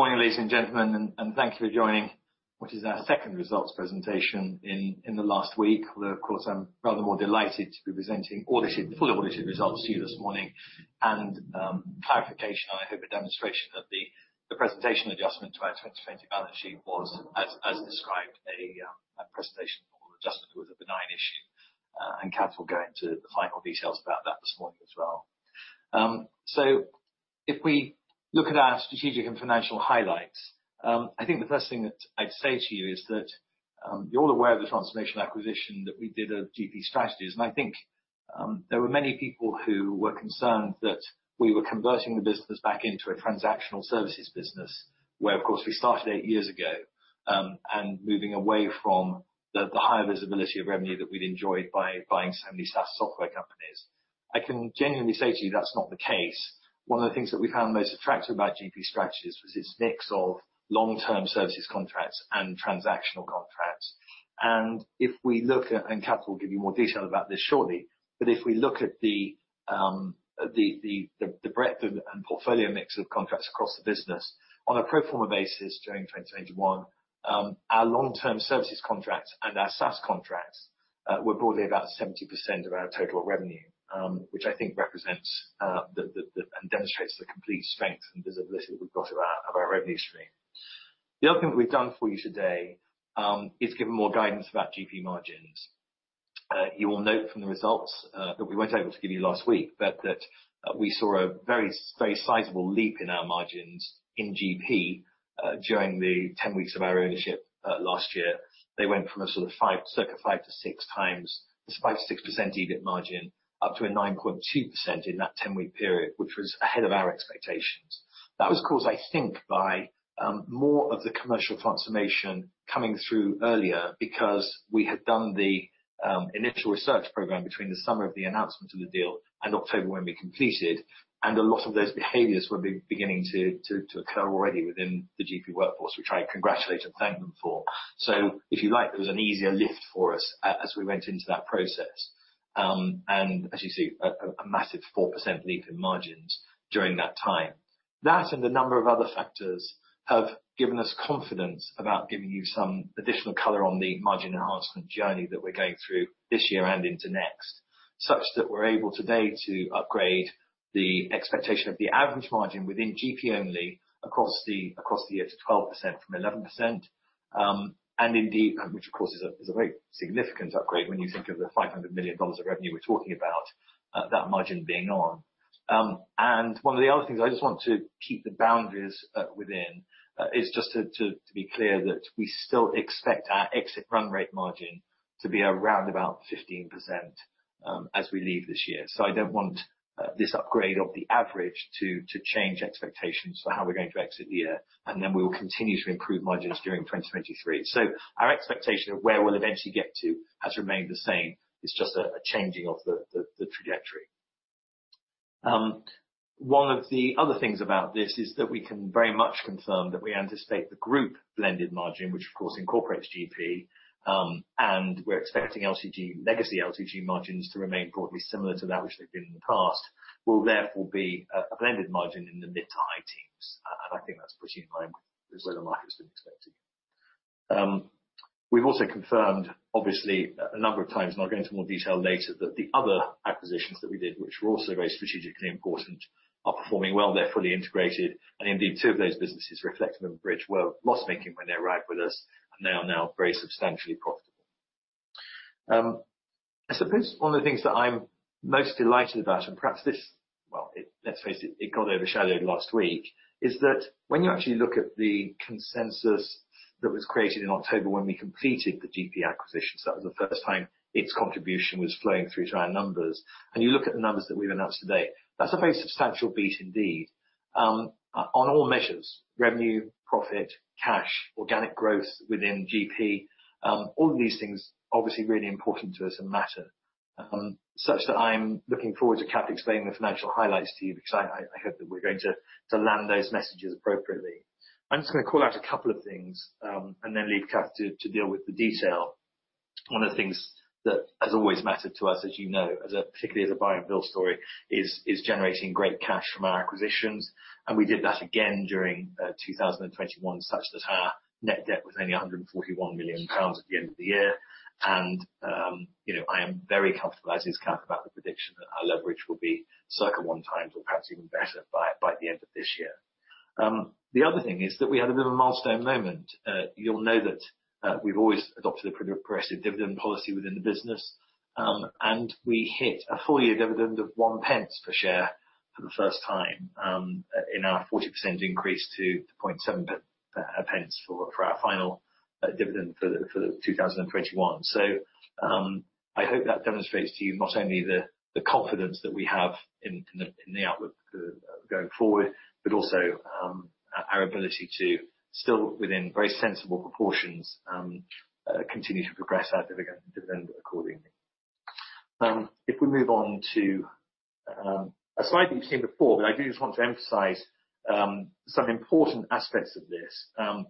Good morning, ladies and gentlemen, and thank you for joining, which is our second results presentation in the last week. Although, of course, I'm rather more delighted to be presenting fully audited results to you this morning. A clarification, I hope, a demonstration that the presentation adjustment to our 2020 balance sheet was as described, a presentation or adjustment. It was a benign issue. Kath will go into the final details about that this morning as well. If we look at our strategic and financial highlights, I think the first thing that I'd say to you is that, you're all aware of the transformation acquisition that we did of GP Strategies, and I think, there were many people who were concerned that we were converting the business back into a transactional services business, where of course we started eight years ago, and moving away from the high visibility of revenue that we'd enjoyed by buying so many SaaS software companies. I can genuinely say to you that's not the case. One of the things that we found most attractive about GP Strategies was its mix of long-term services contracts and transactional contracts. Kath will give you more detail about this shortly, but if we look at the breadth and portfolio mix of contracts across the business on a pro forma basis during 2021, our long-term services contracts and our SaaS contracts were broadly about 70% of our total revenue, which I think represents and demonstrates the complete strength and visibility we've got of our revenue stream. The other thing that we've done for you today is given more guidance about GP margins. You will note from the results that we weren't able to give you last week, but that we saw a very, very sizable leap in our margins in GP during the 10 weeks of our ownership last year. They went from a sort of 5, circa 5 to 6x. Despite 6% EBIT margin up to a 9.2% in that 10-week period, which was ahead of our expectations. That was caused, I think, by more of the commercial transformation coming through earlier because we had done the initial research program between the summer of the announcement of the deal and October when we completed, and a lot of those behaviors were beginning to occur already within the GP workforce, which I congratulate and thank them for. If you like, there was an easier lift for us as we went into that process. As you see a massive 4% leap in margins during that time. That and a number of other factors have given us confidence about giving you some additional color on the margin enhancement journey that we're going through this year and into next, such that we're able today to upgrade the expectation of the average margin within GP only across the year to 12% from 11%, and indeed, which of course is a very significant upgrade when you think of the $500 million of revenue we're talking about, that margin being on. One of the other things I just want to keep the boundaries within is just to be clear that we still expect our exit run rate margin to be around about 15%, as we leave this year. I don't want this upgrade of the average to change expectations for how we're going to exit the year, and then we will continue to improve margins during 2023. Our expectation of where we'll eventually get to has remained the same. It's just a changing of the trajectory. One of the other things about this is that we can very much confirm that we anticipate the group blended margin, which of course incorporates GP, and we're expecting legacy LTG margins to remain broadly similar to that which they've been in the past. It will therefore be a blended margin in the mid- to high teens%, and I think that's pretty in line with where the market has been expecting. We've also confirmed, obviously a number of times, and I'll go into more detail later, that the other acquisitions that we did, which were also very strategically important, are performing well. They're fully integrated. Indeed, two of those businesses, Reflektive and Bridge, were loss-making when they arrived with us, and they are now very substantially profitable. I suppose one of the things that I'm most delighted about, let's face it got overshadowed last week, is that when you actually look at the consensus that was created in October when we completed the GP acquisition, so that was the first time its contribution was flowing through to our numbers, and you look at the numbers that we've announced today, that's a very substantial beat indeed on all measures, revenue, profit, cash, organic growth within GP. All of these things are obviously really important to us and matter, such that I'm looking forward to Kath explaining the financial highlights to you because I hope that we're going to land those messages appropriately. I'm just gonna call out a couple of things, and then leave Kath to deal with the detail. One of the things that has always mattered to us, as you know, particularly as a buy and build story, is generating great cash from our acquisitions, and we did that again during 2021 such that our net debt was only 141 million pounds at the end of the year. You know, I am very comfortable, as is Kath, about the prediction that our leverage will be circa 1x or perhaps even better by the end of this year. The other thing is that we had a bit of a milestone moment. You'll know that we've always adopted a pretty aggressive dividend policy within the business, and we hit a full year dividend of 1 pence per share for the first time, in our 40% increase to 0.7 pence for our final dividend for the 2021. I hope that demonstrates to you not only the confidence that we have in the outlook going forward, but also our ability to still within very sensible proportions continue to progress our dividend accordingly. If we move on to a slide that you've seen before, but I do just want to emphasize some important aspects of this.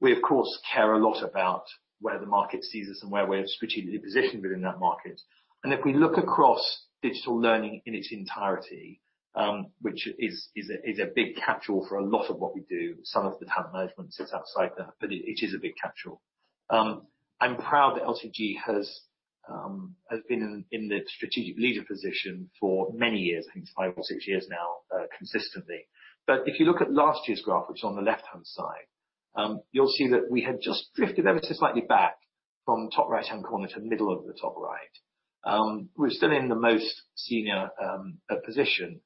We of course care a lot about where the market sees us and where we're strategically positioned within that market. If we look across digital learning in its entirety, which is a big capital for a lot of what we do. Some of the talent management sits outside that, but it is a big capital. I'm proud that LTG has been in the strategic leader position for many years, I think it's five or six years now, consistently. If you look at last year's graph, which is on the left-hand side, you'll see that we had just drifted ever so slightly back from top right-hand corner to middle of the top right. We're still in the most senior position.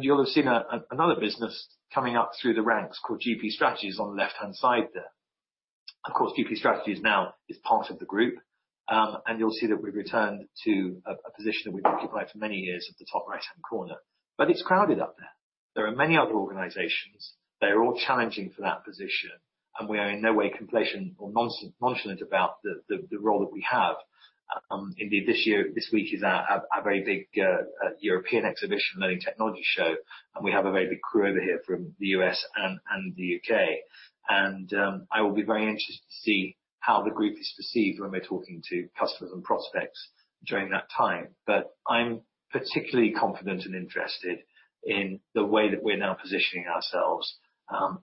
You'll have seen another business coming up through the ranks called GP Strategies on the left-hand side there. Of course, GP Strategies now is part of the group. You'll see that we've returned to a position that we've occupied for many years at the top right-hand corner. It's crowded up there. There are many other organizations. They're all challenging for that position, and we are in no way complacent or nonchalant about the role that we have. Indeed, this week is our very big Learning Technologies, and we have a very big crew over here from the U.S. and the U.K. I will be very interested to see how the group is perceived when we're talking to customers and prospects during that time. I'm particularly confident and interested in the way that we're now positioning ourselves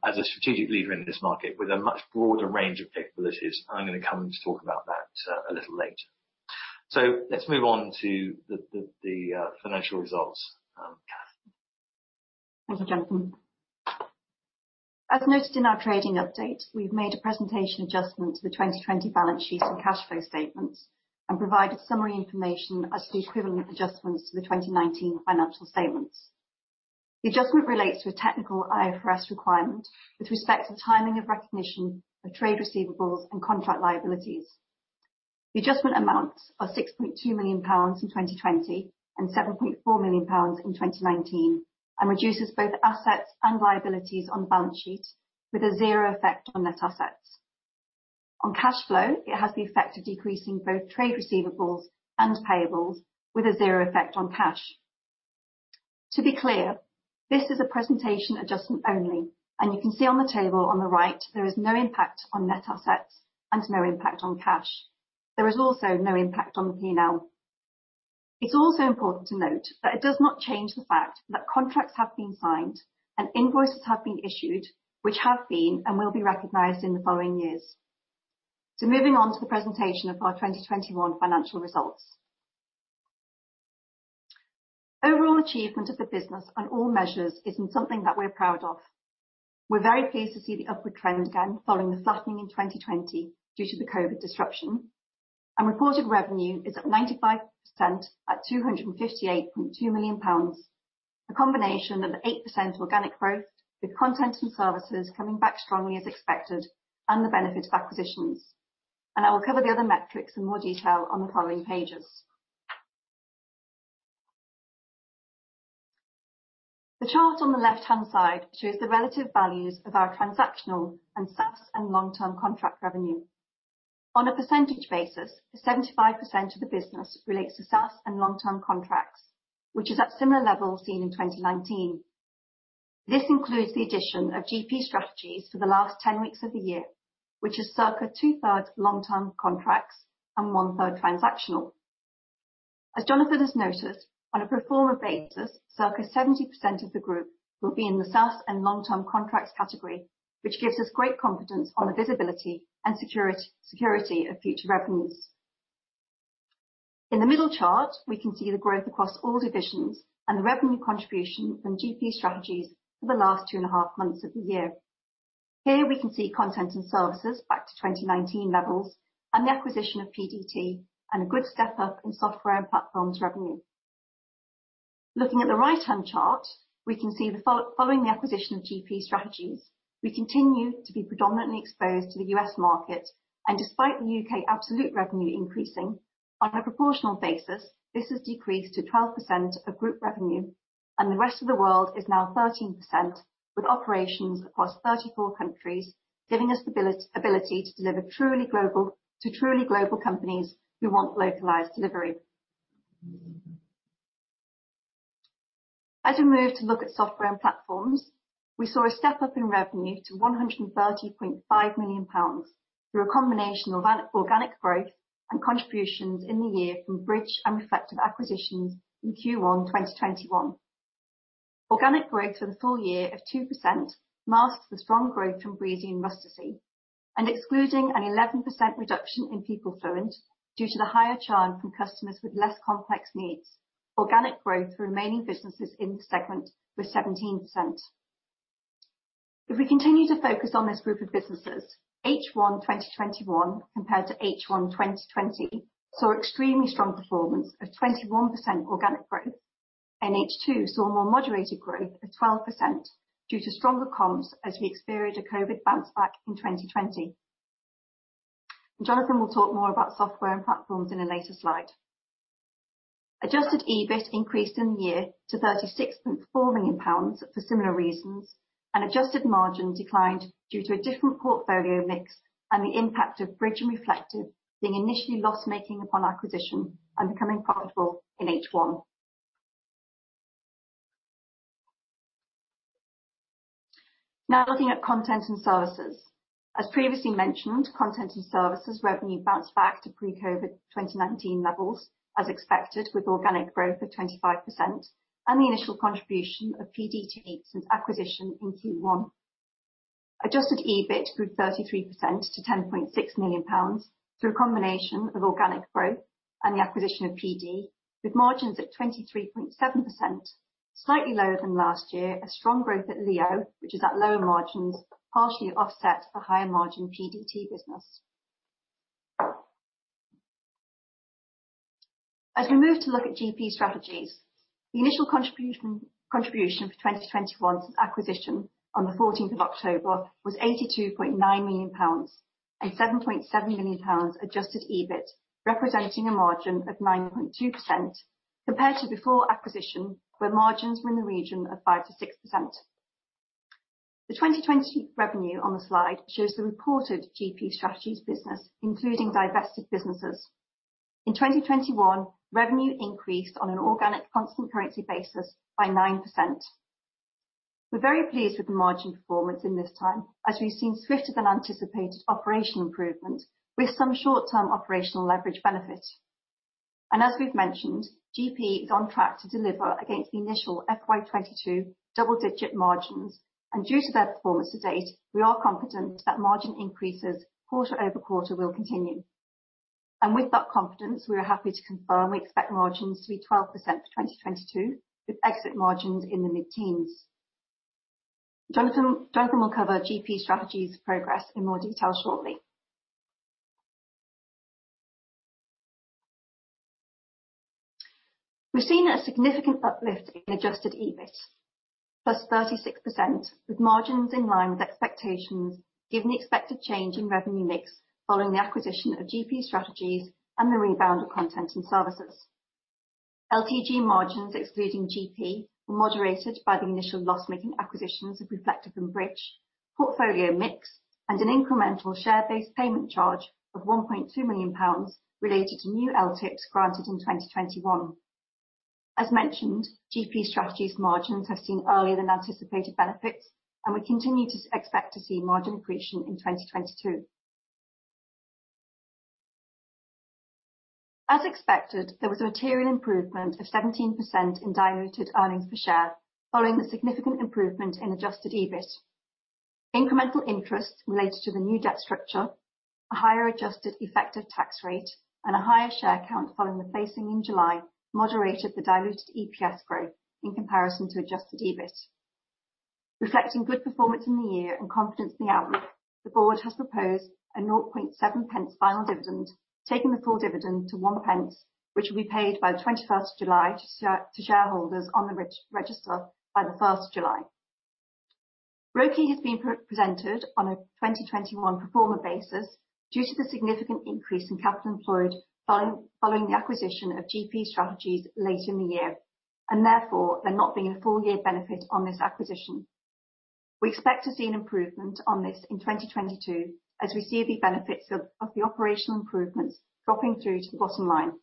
as a strategic leader in this market with a much broader range of capabilities. I'm gonna come to talk about that a little later. Let's move on to the financial results. Kath. Thank you, Jonathan. As noted in our trading update, we've made a presentation adjustment to the 2020 balance sheet and cash flow statements, and provided summary information as to the equivalent adjustments to the 2019 financial statements. The adjustment relates to a technical IFRS requirement with respect to timing of recognition of trade receivables and contract liabilities. The adjustment amounts are 6.2 million pounds in 2020 and 7.4 million pounds in 2019, and reduces both assets and liabilities on the balance sheet with a zero effect on net assets. On cash flow, it has the effect of decreasing both trade receivables and payables with a zero effect on cash. To be clear, this is a presentation adjustment only, and you can see on the table on the right there is no impact on net assets and no impact on cash. There is also no impact on the P&L. It's also important to note that it does not change the fact that contracts have been signed and invoices have been issued, which have been and will be recognized in the following years. Moving on to the presentation of our 2021 financial results. Overall achievement of the business on all measures isn't something that we're proud of. We're very pleased to see the upward trend again following the flattening in 2020 due to the COVID disruption. Reported revenue is up 95% at 258.2 million pounds, a combination of 8% organic growth, with content and services coming back strongly as expected and the benefit of acquisitions. I will cover the other metrics in more detail on the following pages. The chart on the left-hand side shows the relative values of our transactional and SaaS and long-term contract revenue. On a percentage basis, 75% of the business relates to SaaS and long-term contracts, which is at similar levels seen in 2019. This includes the addition of GP Strategies for the last 10 weeks of the year, which is circa 2/3 long-term contracts and 1/3 transactional. As Jonathan has noted, on a pro forma basis, circa 70% of the group will be in the SaaS and long-term contracts category, which gives us great confidence on the visibility and security of future revenues. In the middle chart, we can see the growth across all divisions and the revenue contribution from GP Strategies for the last 2.5 months of the year. Here we can see content and services back to 2019 levels and the acquisition of PDT and a good step up in software and platforms revenue. Looking at the right-hand chart, we can see following the acquisition of GP Strategies, we continue to be predominantly exposed to the U.S. market. Despite the U.K. absolute revenue increasing, on a proportional basis, this has decreased to 12% of group revenue and the rest of the world is now 13% with operations across 34 countries, giving us the ability to deliver to truly global companies who want localized delivery. As we move to look at software and platforms, we saw a step up in revenue to 130.5 million pounds through a combination of an organic growth and contributions in the year from Bridge and Reflektive acquisitions in Q1 2021. Organic growth for the full year of 2% masks the strong growth from Breezy and Rustici. Excluding an 11% reduction in PeopleFluent due to the higher churn from customers with less complex needs, organic growth for remaining businesses in this segment was 17%. If we continue to focus on this group of businesses, H1 2021 compared to H1 2020 saw extremely strong performance of 21% organic growth. H2 saw more moderated growth of 12% due to stronger comps as we experienced a COVID bounce back in 2020. Jonathan will talk more about software and platforms in a later slide. Adjusted EBIT increased in the year to 36.4 million pounds for similar reasons, and adjusted margin declined due to a different portfolio mix and the impact of Bridge and Reflektive being initially loss-making upon acquisition and becoming profitable in H1. Now looking at content and services. As previously mentioned, content and services revenue bounced back to pre-COVID 2019 levels as expected with organic growth of 25% and the initial contribution of PDT since acquisition in Q1. Adjusted EBIT grew 33% to 10.6 million pounds through a combination of organic growth and the acquisition of PDT, with margins at 23.7%, slightly lower than last year. A strong growth at Leo, which is at lower margins, partially offsets the higher margin PDT business. As we move to look at GP Strategies, the initial contribution for 2021 since acquisition on the 14th of October was 82.9 million pounds and 7.7 million pounds adjusted EBIT, representing a margin of 9.2% compared to before acquisition, where margins were in the region of 5% to 6%. The 2020 revenue on the slide shows the reported GP Strategies business, including divested businesses. In 2021, revenue increased on an organic constant currency basis by 9%. We're very pleased with the margin performance in this time, as we've seen swifter than anticipated operational improvement with some short-term operational leverage benefit. As we've mentioned, GP is on track to deliver against the initial FY 2022 double-digit margins, and due to their performance to date, we are confident that margin increases quarter over quarter will continue. With that confidence, we are happy to confirm we expect margins to be 12% for 2022, with exit margins in the mid-teens. Jonathan will cover GP Strategies progress in more detail shortly. We've seen a significant uplift in adjusted EBIT, +36% with margins in line with expectations given the expected change in revenue mix following the acquisition of GP Strategies and the rebound of content and services. LTG margins excluding GP were moderated by the initial loss-making acquisitions of Reflektive and Bridge, portfolio mix and an incremental share-based payment charge of GBP 1.2 million related to new LTIs granted in 2021. As mentioned, GP Strategies margins have seen earlier than anticipated benefits and we continue to expect to see margin accretion in 2022. As expected, there was a material improvement of 17% in diluted earnings per share following the significant improvement in adjusted EBIT. Incremental interest related to the new debt structure, a higher adjusted effective tax rate and a higher share count following the placing in July moderated the diluted EPS growth in comparison to adjusted EBIT. Reflecting good performance in the year and confidence in the outlook, the board has proposed a 0.7 pence final dividend, taking the full dividend to 1 pence, which will be paid by the 21st of July to shareholders on the register by the 1st of July. ROAE has been presented on a 2021 pro forma basis due to the significant increase in capital employed following the acquisition of GP Strategies late in the year, and therefore there not being a full year benefit on this acquisition. We expect to see an improvement on this in 2022 as we see the benefits of the operational improvements dropping through to the bottom line.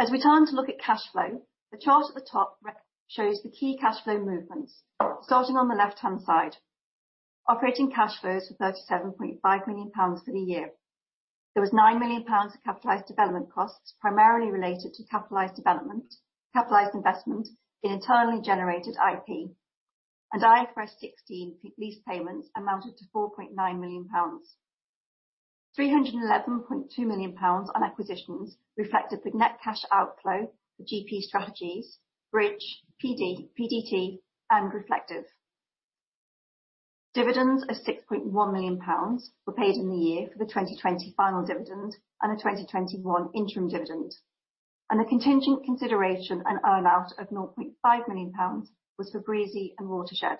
As we turn to look at cash flow, the chart at the top re-shows the key cash flow movements. Starting on the left-hand side, operating cash flows were 37.5 million pounds for the year. There was 9 million pounds of capitalized development costs, primarily related to capitalized development, capitalized investment in internally generated IP, and IFRS 16 lease payments amounted to 4.9 million pounds. 311.2 million pounds on acquisitions reflected the net cash outflow for GP Strategies, Bridge, PDT Global and Reflektive. Dividends of 6.1 million pounds were paid in the year for the 2020 final dividend and the 2021 interim dividend. The contingent consideration and earn-out of 0.5 million pounds was for Breezy and Watershed.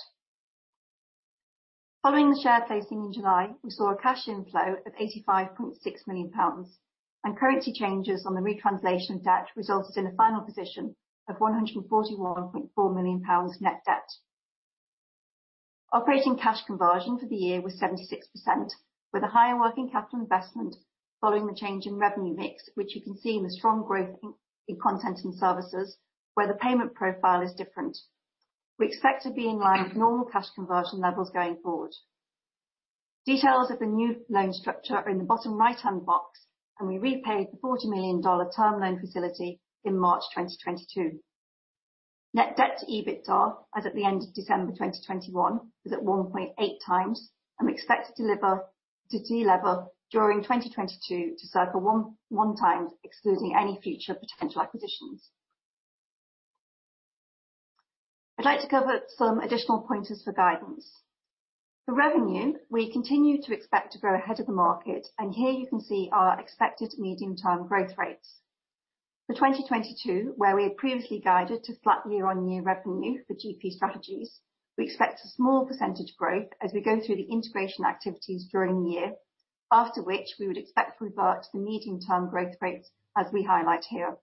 Following the share placing in July, we saw a cash inflow of 85.6 million pounds, and currency changes on the retranslation of debt resulted in a final position of 141.4 million pounds net debt. Operating cash conversion for the year was 76%, with a higher working capital investment following the change in revenue mix, which you can see in the strong growth in content and services, where the payment profile is different. We expect to be in line with normal cash conversion levels going forward. Details of the new loan structure are in the bottom right-hand box, and we repaid the $40 million term loan facility in March 2022. Net debt to EBITDA as at the end of December 2021 was at 1.8x, and we expect to de-lever during 2022 to circa 1.1x excluding any future potential acquisitions. I'd like to cover some additional pointers for guidance. For revenue, we continue to expect to grow ahead of the market, and here you can see our expected medium-term growth rates. For 2022, where we had previously guided to flat year-on-year revenue for GP Strategies, we expect a small percentage growth as we go through the integration activities during the year. After which, we would expect to revert to medium-term growth rates as we highlight here.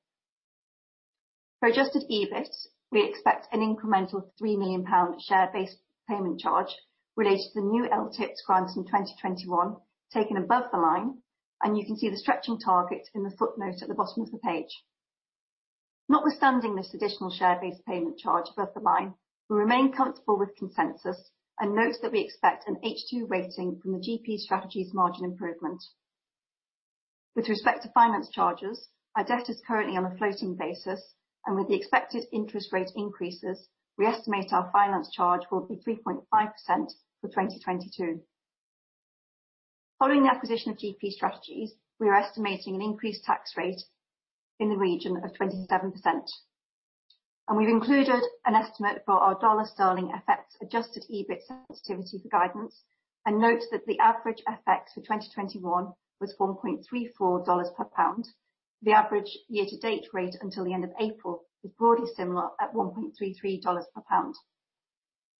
For adjusted EBIT, we expect an incremental 3 million pound share-based payment charge related to the new LTIPs grants in 2021 taken above the line, and you can see the stretching target in the footnote at the bottom of the page. Notwithstanding this additional share-based payment charge above the line, we remain comfortable with consensus and note that we expect an H2 weighting from the GP Strategies margin improvement. With respect to finance charges, our debt is currently on a floating basis, and with the expected interest rate increases, we estimate our finance charge will be 3.5% for 2022. Following the acquisition of GP Strategies, we are estimating an increased tax rate in the region of 27%. We've included an estimate for our dollar sterling effects adjusted EBIT sensitivity for guidance, and note that the average FX for 2021 was $1.34 per pound. The average year to date rate until the end of April was broadly similar at $1.33 per pound.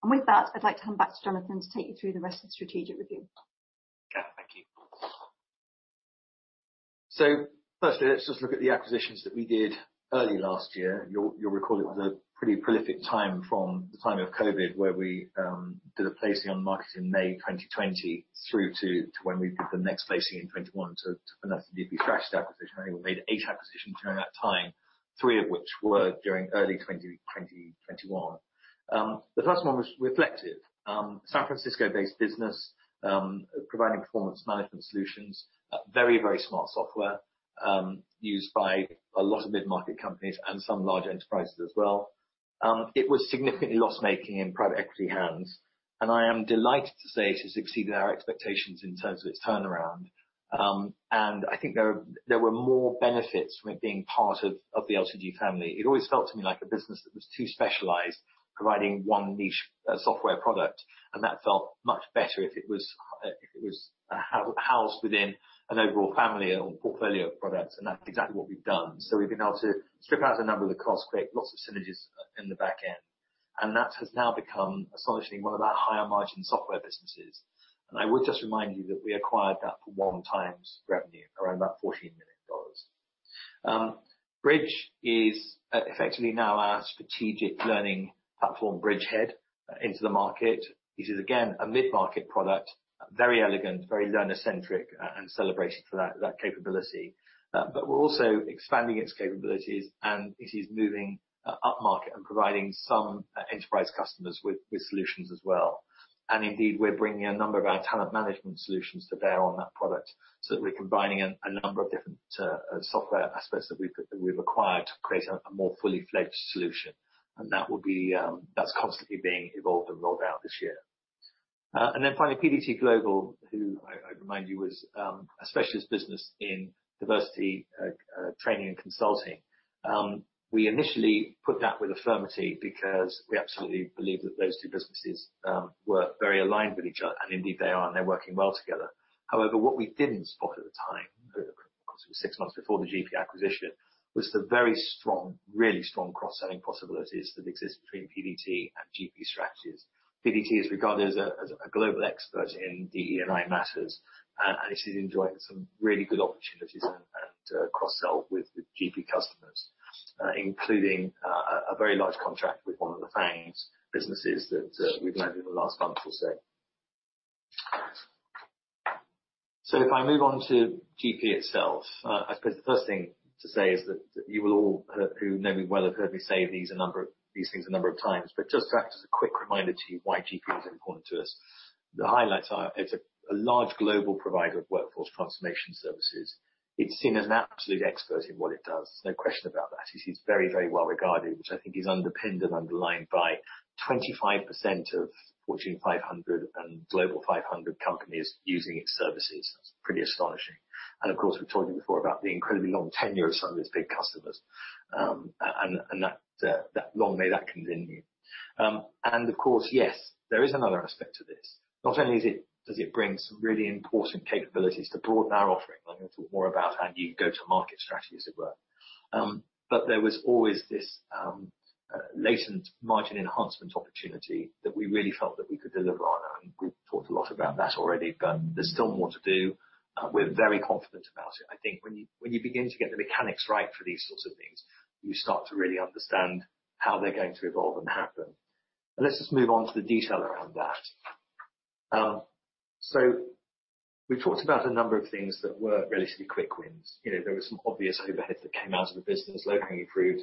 With that, I'd like to hand back to Jonathan to take you through the rest of the strategic review. Yeah, thank you. Firstly, let's just look at the acquisitions that we did early last year. You'll recall it was a pretty prolific time from the time of COVID, where we did a placing on the market in May 2020 through to when we did the next placing in 2021 to finance the GP Strategies acquisition. We made 8 acquisitions during that time, 3 of which were during early 2021. The first one was Reflektive, San Francisco-based business, providing performance management solutions. Very smart software, used by a lot of mid-market companies and some large enterprises as well. It was significantly loss-making in private equity hands, and I am delighted to say it has exceeded our expectations in terms of its turnaround. I think there were more benefits from it being part of the LTG family. It always felt to me like a business that was too specialized, providing one niche software product, and that felt much better if it was housed within an overall family or portfolio of products, and that's exactly what we've done. We've been able to strip out a number of the costs, create lots of synergies in the back end, and that has now become astonishingly one of our higher margin software businesses. I would just remind you that we acquired that for one times revenue, around about $14 million. Bridge is effectively now our strategic learning platform bridgehead into the market. This is again, a mid-market product, very elegant, very learner-centric and celebrated for that capability. We're also expanding its capabilities and it is moving upmarket and providing some enterprise customers with solutions as well. Indeed, we're bringing a number of our talent management solutions to bear on that product. We're combining a number of different software aspects that we've acquired to create a more fully-fledged solution. That's constantly being evolved and rolled out this year. Finally, PDT Global, who I remind you is a specialist business in diversity training and consulting. We initially put that with Affirmity because we absolutely believe that those two businesses were very aligned with each other, and indeed they are, and they're working well together. However, what we didn't spot at the time, of course it was six months before the GP acquisition, was the very strong, really strong cross-selling possibilities that exist between PDT and GP Strategies. PDT is regarded as a global expert in DE&I matters, and actually enjoying some really good opportunities and cross-sell with GP customers, including a very large contract with one of the FANGs businesses that we've made in the last month or so. If I move on to GP itself, I suppose the first thing to say is that who know me well have heard me say these things a number of times. Just to act as a quick reminder to you why GP is important to us. The highlights are it's a large global provider of workforce transformation services. It's seen as an absolute expert in what it does. No question about that. It is very, very well regarded, which I think is underpinned and underlined by 25% of Fortune 500 and Global 500 companies using its services. That's pretty astonishing. We've told you before about the incredibly long tenure of some of its big customers, and that long may it continue. Of course, yes, there is another aspect to this. Not only does it bring some really important capabilities to broaden our offering, I'm gonna talk more about our go-to-market strategy, as it were. There was always this latent margin enhancement opportunity that we really felt that we could deliver on, and we've talked a lot about that already. There's still more to do. We're very confident about it. I think when you begin to get the mechanics right for these sorts of things, you start to really understand how they're going to evolve and happen. Let's just move on to the detail around that. We've talked about a number of things that were relatively quick wins. There were some obvious overheads that came out of the business, low-hanging fruit,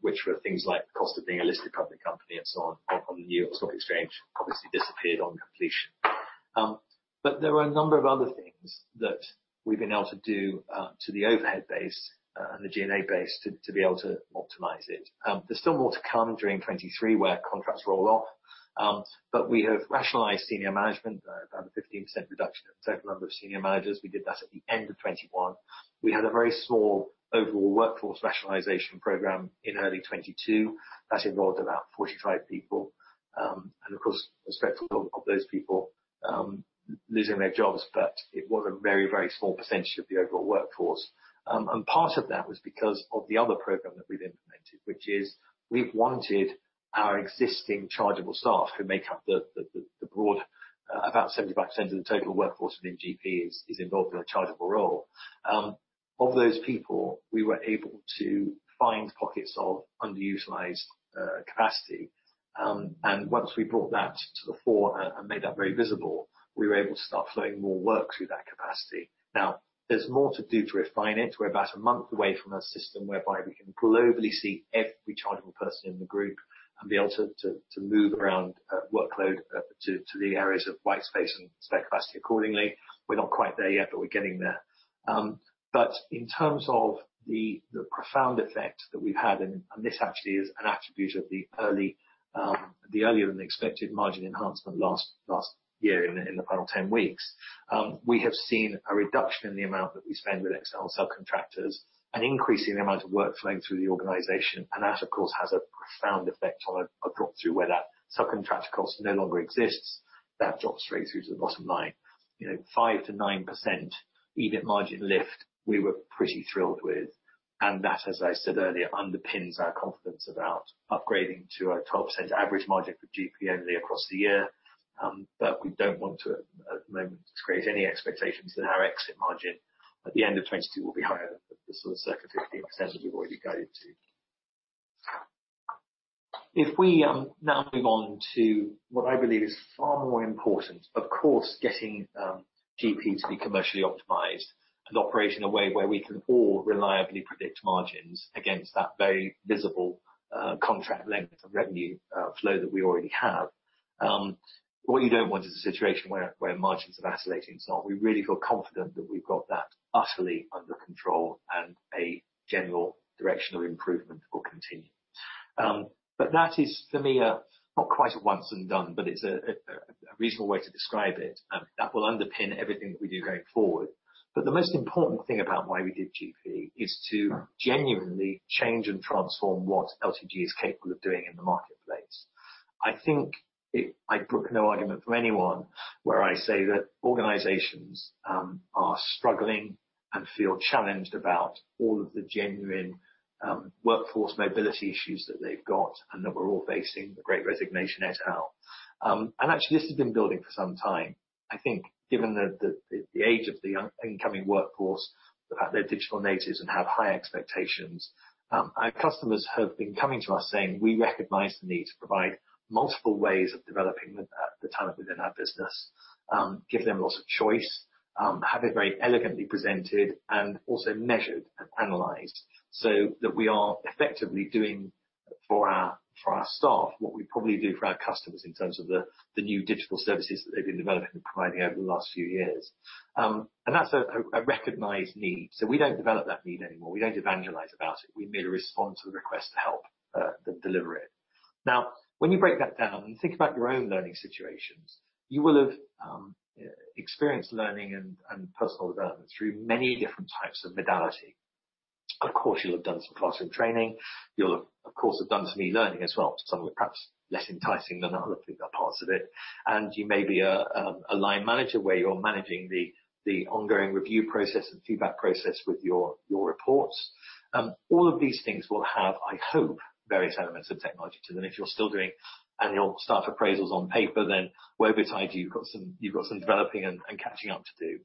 which were things like cost of being a listed public company and so on the New York Stock Exchange, obviously disappeared on completion. There were a number of other things that we've been able to do to the overhead base and the G&A base to be able to optimize it. There's still more to come during 2023 where contracts roll off. We have rationalized senior management. About a 15% reduction in total number of senior managers. We did that at the end of 2021. We had a very small overall workforce rationalization program in early 2022. That involved about 45 people. Of course, respectful of those people losing their jobs, but it was a very, very small percentage of the overall workforce. Part of that was because of the other program that we've implemented, which is we've wanted our existing chargeable staff who make up the broad about 75% of the total workforce within GP is involved in a chargeable role. Of those people, we were able to find pockets of underutilized capacity. Once we brought that to the fore and made that very visible, we were able to start flowing more work through that capacity. Now, there's more to do to refine it. We're about a month away from a system whereby we can globally see every chargeable person in the group and be able to move around workload to the areas of white space and spare capacity accordingly. We're not quite there yet, but we're getting there. In terms of the profound effect that we've had, and this actually is an attribute of the earlier than expected margin enhancement last year in the final ten weeks. We have seen a reduction in the amount that we spend with external subcontractors, an increase in the amount of work flowing through the organization, and that, of course, has a profound effect on a drop through where that subcontractor cost no longer exists. That drops straight through to the bottom line. You know, 5% to 9% EBIT margin lift, we were pretty thrilled with, and that, as I said earlier, underpins our confidence about upgrading to a 12% average margin for GP only across the year. We don't want to at the moment create any expectations that our exit margin at the end of 2022 will be higher than the sort of circa 15% that we've already guided to. If we now move on to what I believe is far more important, of course, getting GP to be commercially optimized and operate in a way where we can all reliably predict margins against that very visible contract length of revenue flow that we already have. What you don't want is a situation where margins are oscillating. We really feel confident that we've got that utterly under control and a general direction of improvement will continue. That is, for me, not quite a once and done, but it's a reasonable way to describe it, that will underpin everything that we do going forward. The most important thing about why we did GP is to genuinely change and transform what LTG is capable of doing in the marketplace. I think I brook no argument from anyone where I say that organizations are struggling and feel challenged about all of the genuine workforce mobility issues that they've got and that we're all facing The Great Resignation et al. Actually, this has been building for some time. I think given the age of the young incoming workforce, the fact they're digital natives and have high expectations, our customers have been coming to us saying, "We recognize the need to provide multiple ways of developing the talent within our business, give them lots of choice, have it very elegantly presented and also measured and analyzed so that we are effectively doing for our staff what we probably do for our customers in terms of the new digital services that they've been developing and providing over the last few years." That's a recognized need. We don't develop that need anymore. We don't evangelize about it. We merely respond to the request to help deliver it. Now, when you break that down and think about your own learning situations, you will have experienced learning and personal development through many different types of modality. Of course, you'll have done some classroom training. You'll of course have done some e-learning as well. Some of it perhaps less enticing than other parts of it. You may be a line manager where you're managing the ongoing review process and feedback process with your reports. All of these things will have, I hope, various elements of technology to them. If you're still doing annual staff appraisals on paper, then woe betide you. You've got some developing and catching up to do.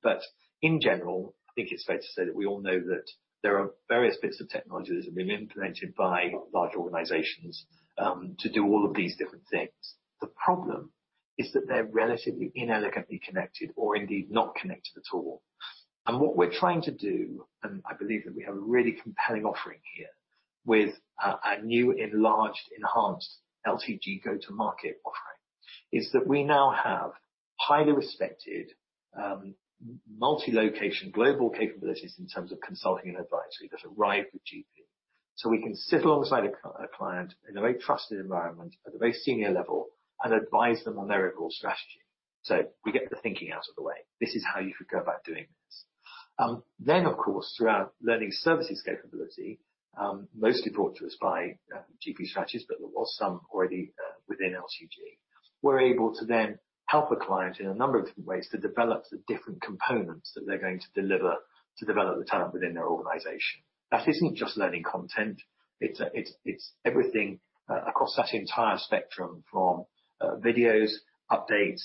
In general, I think it's fair to say that we all know that there are various bits of technology that have been implemented by large organizations to do all of these different things. The problem is that they're relatively inelegantly connected or indeed not connected at all. What we're trying to do, and I believe that we have a really compelling offering here with a new enlarged, enhanced LTG go-to-market offering, is that we now have highly respected multi-location global capabilities in terms of consulting and advisory that arrive with GP. We can sit alongside a client in a very trusted environment at the very senior level and advise them on their overall strategy. We get the thinking out of the way. This is how you could go about doing this. Of course, through our learning services capability, mostly brought to us by GP Strategies, but there was some already within LTG. We're able to help a client in a number of different ways to develop the different components that they're going to deliver to develop the talent within their organization. That isn't just learning content. It's everything across that entire spectrum, from videos, updates,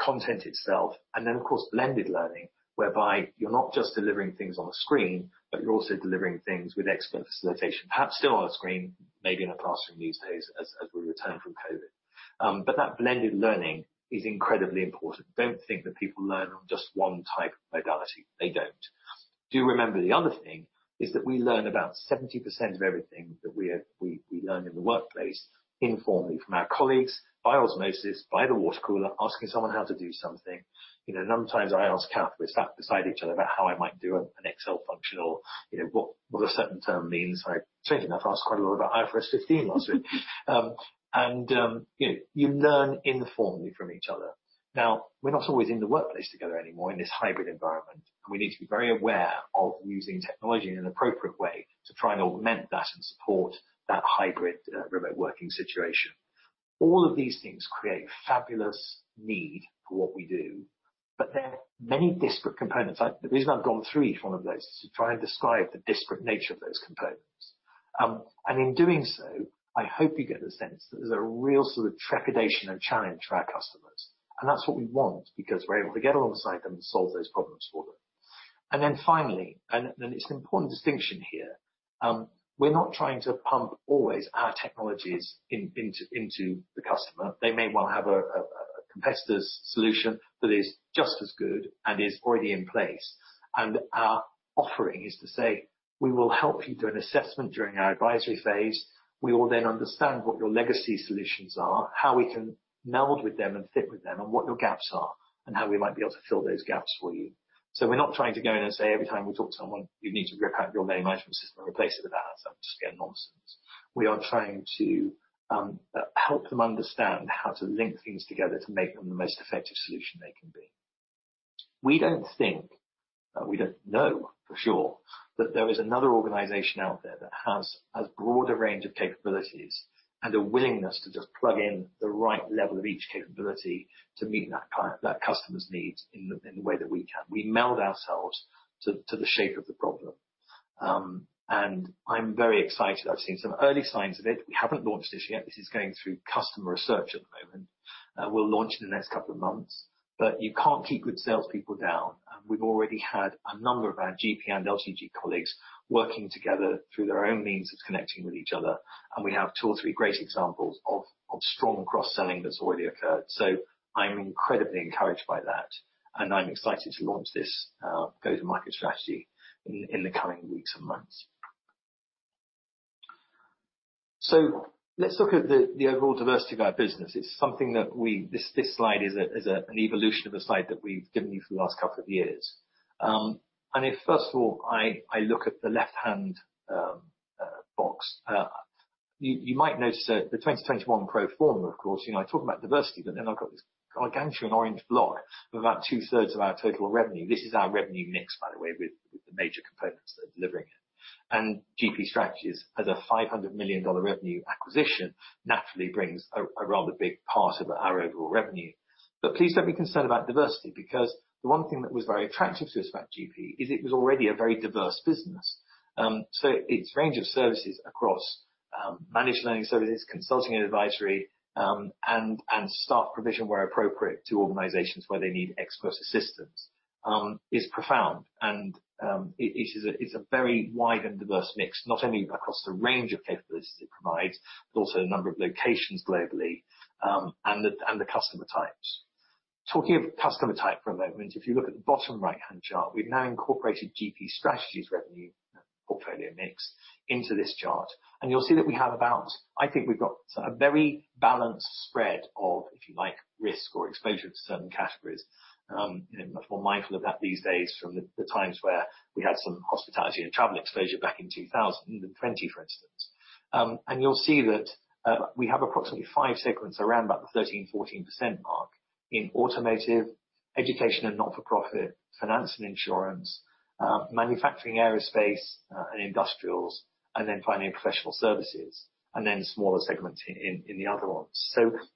content itself, and then, of course, blended learning, whereby you're not just delivering things on a screen, but you're also delivering things with expert facilitation. Perhaps still on a screen, maybe in a classroom these days as we return from COVID. That blended learning is incredibly important. Don't think that people learn on just one type of modality. They don't. Do remember the other thing is that we learn about 70% of everything that we learn in the workplace informally from our colleagues by osmosis, by the water cooler, asking someone how to do something. You know, sometimes I ask Kath. We're sat beside each other about how I might do an Excel function or, you know, what a certain term means. Like, strangely enough, I asked quite a lot about IFRS 15 last week. You know, you learn informally from each other. Now, we're not always in the workplace together anymore in this hybrid environment, and we need to be very aware of using technology in an appropriate way to try and augment that and support that hybrid, remote working situation. All of these things create fabulous need for what we do, but they're many disparate components. The reason I've gone through each one of those is to try and describe the disparate nature of those components. In doing so, I hope you get the sense that there's a real sort of trepidation and challenge for our customers. That's what we want because we're able to get alongside them and solve those problems for them. Then finally, it's an important distinction here, we're not trying to always push our technologies in, into the customer. They may well have a competitor's solution that is just as good and is already in place. Our offering is to say, "We will help you do an assessment during our advisory phase. We will then understand what your legacy solutions are, how we can meld with them and fit with them, and what your gaps are, and how we might be able to fill those gaps for you." We're not trying to go in and say every time we talk to someone, "You need to rip out your learning management system and replace it with ours." That's just nonsense. We are trying to help them understand how to link things together to make them the most effective solution they can be. We don't think, we don't know for sure that there is another organization out there that has as broad a range of capabilities and a willingness to just plug in the right level of each capability to meet that customer's needs in the, in the way that we can. We meld ourselves to the shape of the problem. I'm very excited. I've seen some early signs of it. We haven't launched this yet. This is going through customer research at the moment. We'll launch in the next couple of months. You can't keep good salespeople down, and we've already had a number of our GP and LTG colleagues working together through their own means of connecting with each other, and we have two or three great examples of strong cross-selling that's already occurred. I'm incredibly encouraged by that, and I'm excited to launch this go-to-market strategy in the coming weeks and months. Let's look at the overall diversity of our business. This slide is an evolution of a slide that we've given you for the last couple of years. If first of all, I look at the left-hand box, you might notice that the 2021 pro forma, of course, you know, I talk about diversity, but then I've got this gargantuan orange block of about two-thirds of our total revenue. This is our revenue mix, by the way, with the major components that are delivering it. GP Strategies, as a $500 million revenue acquisition, naturally brings a rather big part of our overall revenue. Please don't be concerned about diversity, because the one thing that was very attractive to us about GP is it was already a very diverse business. Its range of services across managed learning services, consulting and advisory, and staff provision, where appropriate, to organizations where they need expert assistance, is profound. It is a very wide and diverse mix, not only across the range of capabilities it provides, but also a number of locations globally, and the customer types. Talking of customer type for a moment, if you look at the bottom right-hand chart, we've now incorporated GP Strategies revenue portfolio mix into this chart, and you'll see that we have a very balanced spread of, if you like, risk or exposure to certain categories. You know, much more mindful of that these days from the times where we had some hospitality and travel exposure back in 2020, for instance. You'll see that we have approximately five segments around about the 13% to 14% mark in automotive, education and not-for-profit, finance and insurance, manufacturing, aerospace and industrials, and then finally in professional services, and then smaller segments in the other ones.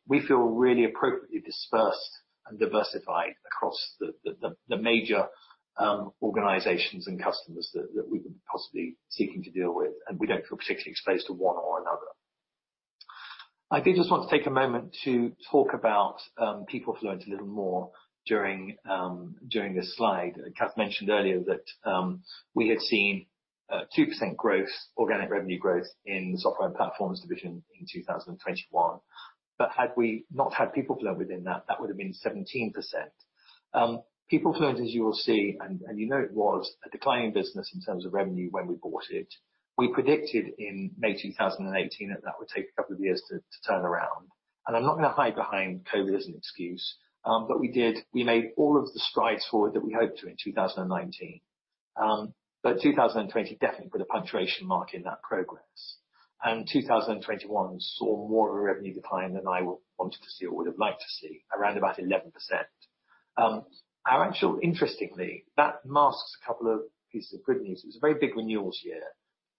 We feel really appropriately dispersed and diversified across the major organizations and customers that we could possibly be seeking to deal with, and we don't feel particularly exposed to one or another. I did just want to take a moment to talk about PeopleFluent a little more during this slide. Kath mentioned earlier that we had seen 2% growth, organic revenue growth in the software and platforms division in 2021. Had we not had PeopleFluent within that would have been 17%. PeopleFluent, as you will see, and you know, it was a declining business in terms of revenue when we bought it. We predicted in May 2018 that that would take a couple of years to turn around. I'm not gonna hide behind COVID as an excuse, but we made all of the strides forward that we hoped to in 2019. 2020 definitely put a punctuation mark in that progress. 2021 saw more of a revenue decline than I wanted to see or would have liked to see, around about 11%. Interestingly, that masks a couple of pieces of good news. It was a very big renewals year,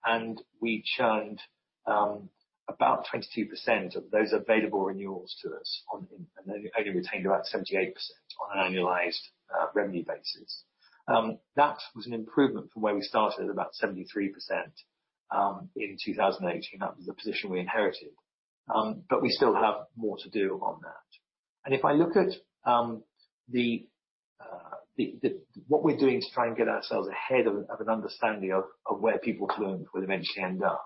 and we churned about 22% of those available renewals to us. Only retained about 78% on an annualized revenue basis. That was an improvement from where we started at about 73% in 2018. That was the position we inherited. We still have more to do on that. If I look at the, what we're doing is trying to get ourselves ahead of an understanding of where PeopleFluent will eventually end up.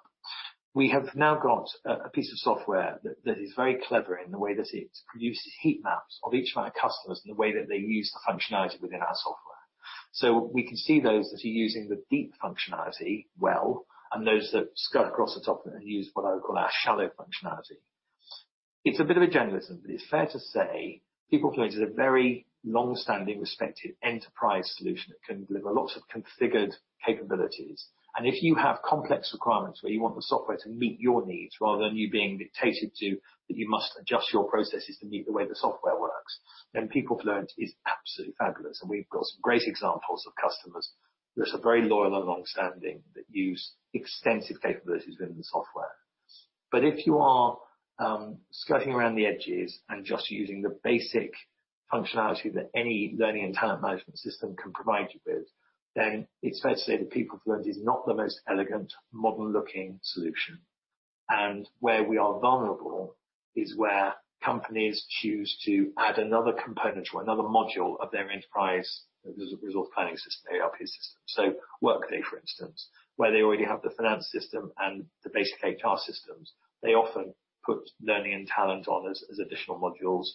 We have now got a piece of software that is very clever in the way that it produces heat maps of each of our customers and the way that they use the functionality within our software. We can see those that are using the deep functionality well, and those that skirt across the top and use what I would call our shallow functionality. It's a bit of a generalization, but it's fair to say PeopleFluent is a very long-standing, respected enterprise solution that can deliver lots of configured capabilities. If you have complex requirements where you want the software to meet your needs rather than you being dictated to, that you must adjust your processes to meet the way the software works, then PeopleFluent is absolutely fabulous. We've got some great examples of customers that are very loyal and long-standing that use extensive capabilities within the software. If you are skirting around the edges and just using the basic functionality that any learning and talent management system can provide you with, then it's fair to say that PeopleFluent is not the most elegant, modern-looking solution. Where we are vulnerable is where companies choose to add another component or another module of their enterprise resource planning system, ERP system. Workday, for instance, where they already have the finance system and the basic HR systems, they often put learning and talent on as additional modules,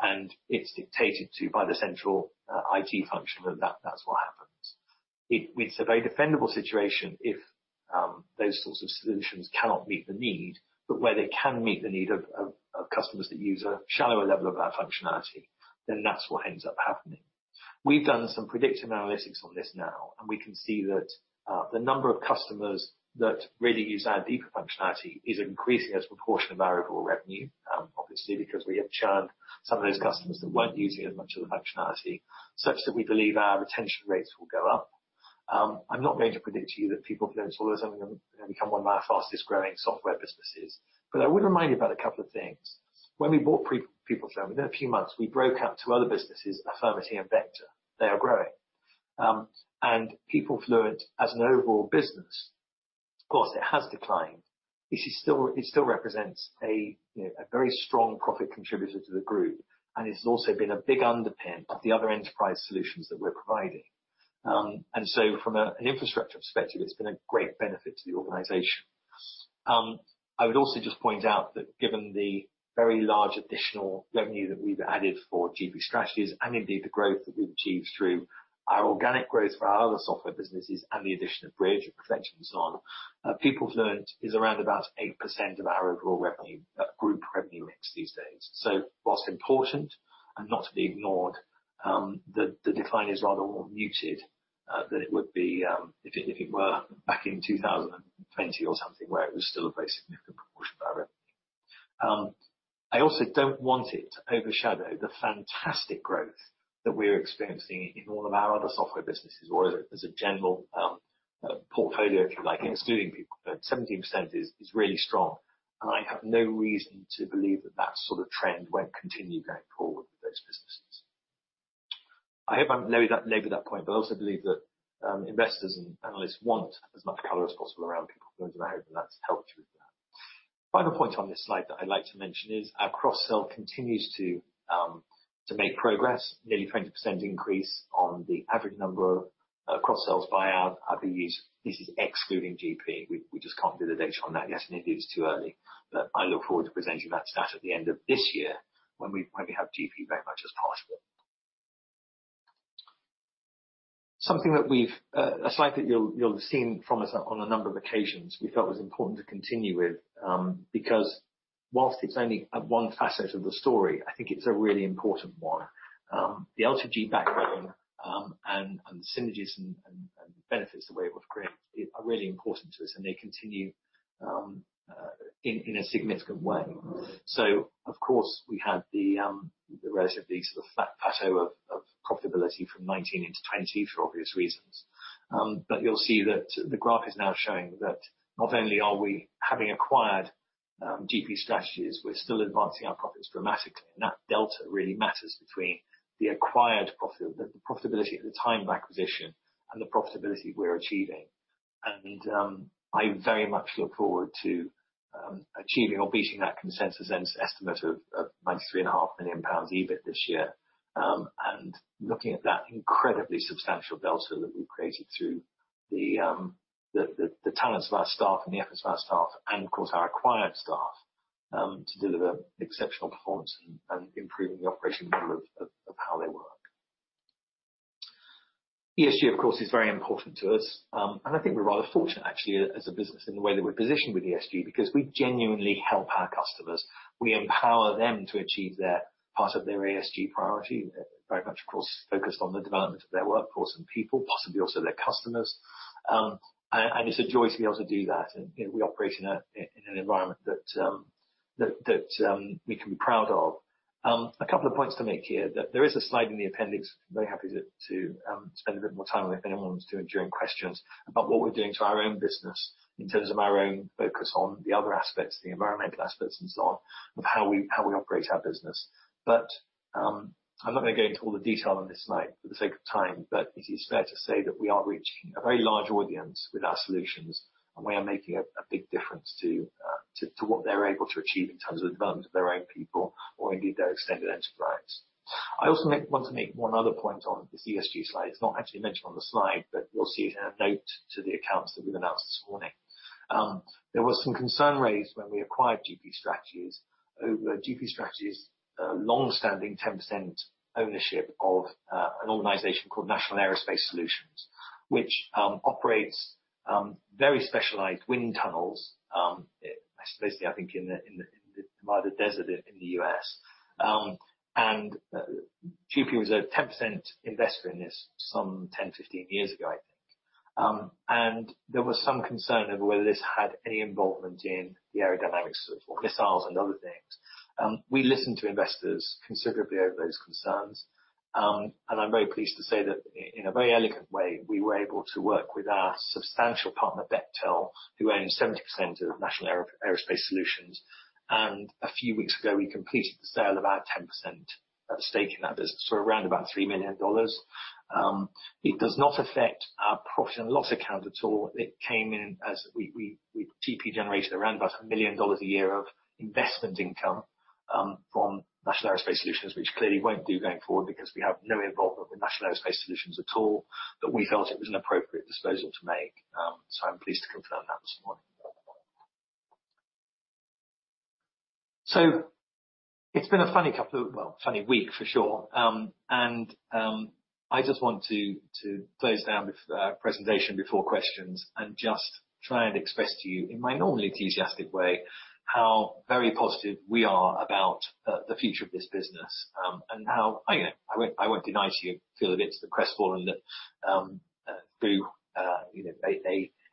and it's dictated to by the central IT function that that's what happens. It's a very defensible situation, if those sorts of solutions cannot meet the need, but where they can meet the need of customers that use a shallower level of that functionality, then that's what ends up happening. We've done some predictive analytics on this now, and we can see that, the number of customers that really use our deeper functionality is increasing as a proportion of our overall revenue, obviously because we have churned some of those customers that weren't using as much of the functionality, such that we believe our retention rates will go up. I'm not going to predict to you that PeopleFluent is all of a sudden gonna become one of our fastest growing software businesses. I would remind you about a couple of things. When we bought PeopleFluent, within a few months we broke out to other businesses, Affirmity and VectorVMS. They are growing. PeopleFluent as an overall business, of course, it has declined. It still represents a, you know, a very strong profit contributor to the group, and it's also been a big underpin of the other enterprise solutions that we're providing. From an infrastructure perspective, it's been a great benefit to the organization. I would also just point out that given the very large additional revenue that we've added for GP Strategies, and indeed the growth that we've achieved through our organic growth for our other software businesses and the addition of Bridge and Breezy and so on, PeopleFluent is around about 8% of our overall revenue, group revenue mix these days. While important and not to be ignored, the decline is rather more muted than it would be if it were back in 2020 or something where it was still a very significant proportion of our revenue. I also don't want it to overshadow the fantastic growth that we're experiencing in all of our other software businesses or as a general portfolio if you like, excluding PeopleFluent. 17% is really strong, and I have no reason to believe that that sort of trend won't continue going forward with those businesses. I hope I've nailed that point, but I also believe that investors and analysts want as much color as possible around PeopleFluent, and I hope that's helped with that. Final point on this slide that I'd like to mention is our cross-sell continues to make progress. Nearly 20% increase on the average number of cross-sells by our BUs. This is excluding GP. We just can't do the data on that yet, and it is too early. I look forward to presenting that stat at the end of this year when we have GP very much as possible. A slide that you'll have seen from us on a number of occasions we felt was important to continue with, because while it's only one facet of the story, I think it's a really important one. The LTG backbone and benefits that we're able to create it are really important to us, and they continue in a significant way. Of course, we had the relatively sort of flat plateau of profitability from 2019 into 2020 for obvious reasons. You'll see that the graph is now showing that not only are we having acquired GP Strategies, we're still advancing our profits dramatically. That delta really matters between the acquired profit, the profitability at the time of acquisition and the profitability we're achieving. I very much look forward to achieving or beating that consensus estimate of 93.5 million pounds EBIT this year. Looking at that incredibly substantial delta that we've created through the talents of our staff and the efforts of our staff and of course our acquired staff to deliver exceptional performance and improving the operating model of how they work. ESG, of course, is very important to us. I think we're rather fortunate actually as a business in the way that we're positioned with ESG because we genuinely help our customers. We empower them to achieve their part of their ESG priority. Very much of course focused on the development of their workforce and people, possibly also their customers. It's a joy to be able to do that and, you know, we operate in an environment that we can be proud of. A couple of points to make here, that there is a slide in the appendix. Very happy to spend a bit more time with anyone who wants to during questions about what we're doing to our own business in terms of our own focus on the other aspects, the environmental aspects and so on, of how we operate our business. I'm not gonna go into all the detail on this slide for the sake of time. It is fair to say that we are reaching a very large audience with our solutions, and we are making a big difference to what they're able to achieve in terms of the development of their own people or indeed their extended enterprise. I also want to make one other point on this ESG slide. It's not actually mentioned on the slide, but you'll see it in a note to the accounts that we've announced this morning. There was some concern raised when we acquired GP Strategies over GP Strategies' longstanding 10% ownership of an organization called National Aerospace Solutions. Which operates very specialized wind tunnels basically I think in the Mojave Desert in the U.S. GP was a 10% investor in this some 10, 15 years ago, I think. There was some concern over whether this had any involvement in the aerodynamics of missiles and other things. We listened to investors considerably over those concerns. I'm very pleased to say that in a very elegant way, we were able to work with our substantial partner, Bechtel, who owns 70% of National Aerospace Solutions. A few weeks ago, we completed the sale of our 10% stake in that business for around $3 million. It does not affect our profit and loss account at all. It came in as GP generated around $1 million a year of investment income from National Aerospace Solutions, which clearly won't do going forward because we have no involvement with National Aerospace Solutions at all, but we felt it was an appropriate disposal to make. I'm pleased to confirm that this morning. It's been a funny couple of weeks for sure. I just want to close down with the presentation before questions and just try and express to you in my normally enthusiastic way, how very positive we are about the future of this business, and how, you know, I won't deny that you feel a bit crestfallen that, through, you know,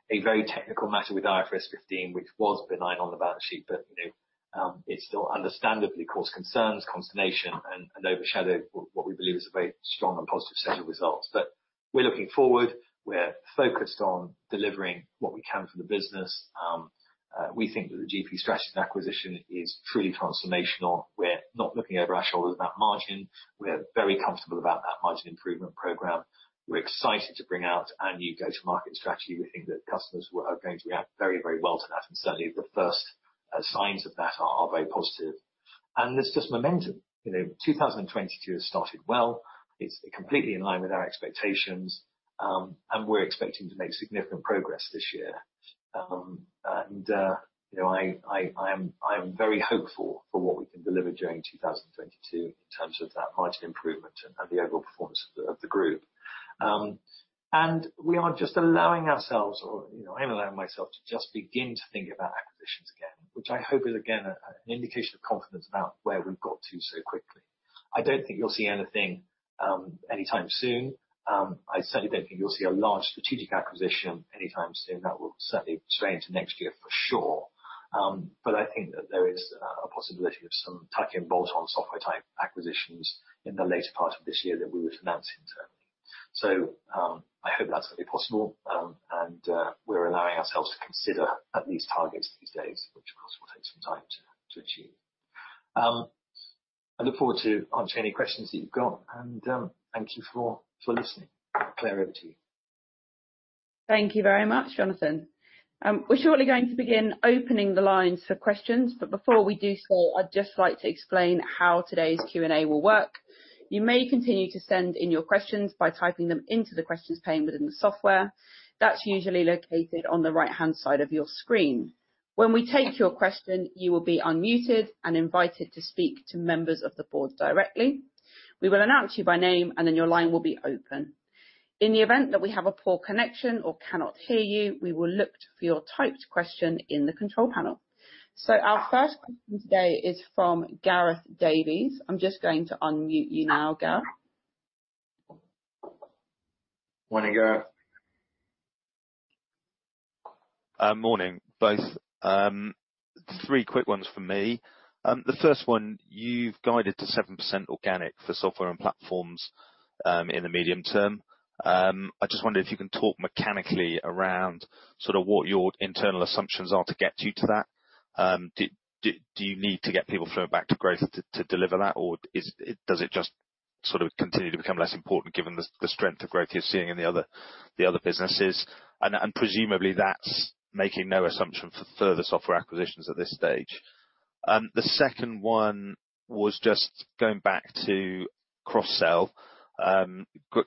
a very technical matter with IFRS 15, which was benign on the balance sheet, but it still understandably caused concerns, consternation and overshadowed what we believe is a very strong and positive set of results. We're looking forward. We're focused on delivering what we can for the business. We think that the GP Strategies acquisition is truly transformational. We're not looking over our shoulder at that margin. We're very comfortable about that margin improvement program. We're excited to bring out our new go-to-market strategy. We think that customers are going to react very, very well to that, and certainly the first signs of that are very positive. There's just momentum. You know, 2022 has started well. It's completely in line with our expectations, and we're expecting to make significant progress this year. I am very hopeful for what we can deliver during 2022 in terms of that margin improvement and the overall performance of the group. We are just allowing ourselves or, you know, I'm allowing myself to just begin to think about acquisitions again, which I hope is again an indication of confidence about where we've got to so quickly. I don't think you'll see anything anytime soon. I certainly don't think you'll see a large strategic acquisition anytime soon. That will certainly stay into next year for sure. I think that there is a possibility of some tuck-in bolt-on software type acquisitions in the later part of this year that we would announce internally. I hope that's going to be possible, and we're allowing ourselves to consider at least targets these days, which of course will take some time to achieve. I look forward to answering any questions that you've got and, thank you for listening. Claire, over to you. Thank you very much, Jonathan. We're shortly going to begin opening the lines for questions, but before we do so, I'd just like to explain how today's Q&A will work. You may continue to send in your questions by typing them into the questions pane within the software. That's usually located on the right-hand side of your screen. When we take your question, you will be unmuted and invited to speak to members of the board directly. We will announce you by name, and then your line will be open. In the event that we have a poor connection or cannot hear you, we will look for your typed question in the control panel. Our first question today is from Gareth Davies. I'm just going to unmute you now, Gareth. Morning, Gareth. Morning, both. Three quick ones from me. The first one, you've guided to 7% organic for software and platforms in the medium term. I just wondered if you can talk mechanically around sort of what your internal assumptions are to get you to that. Do you need to get PeopleFluent back to growth to deliver that? Or does it just sort of continue to become less important given the strength of growth you're seeing in the other businesses? Presumably that's making no assumption for further software acquisitions at this stage. The second one was just going back to cross-sell.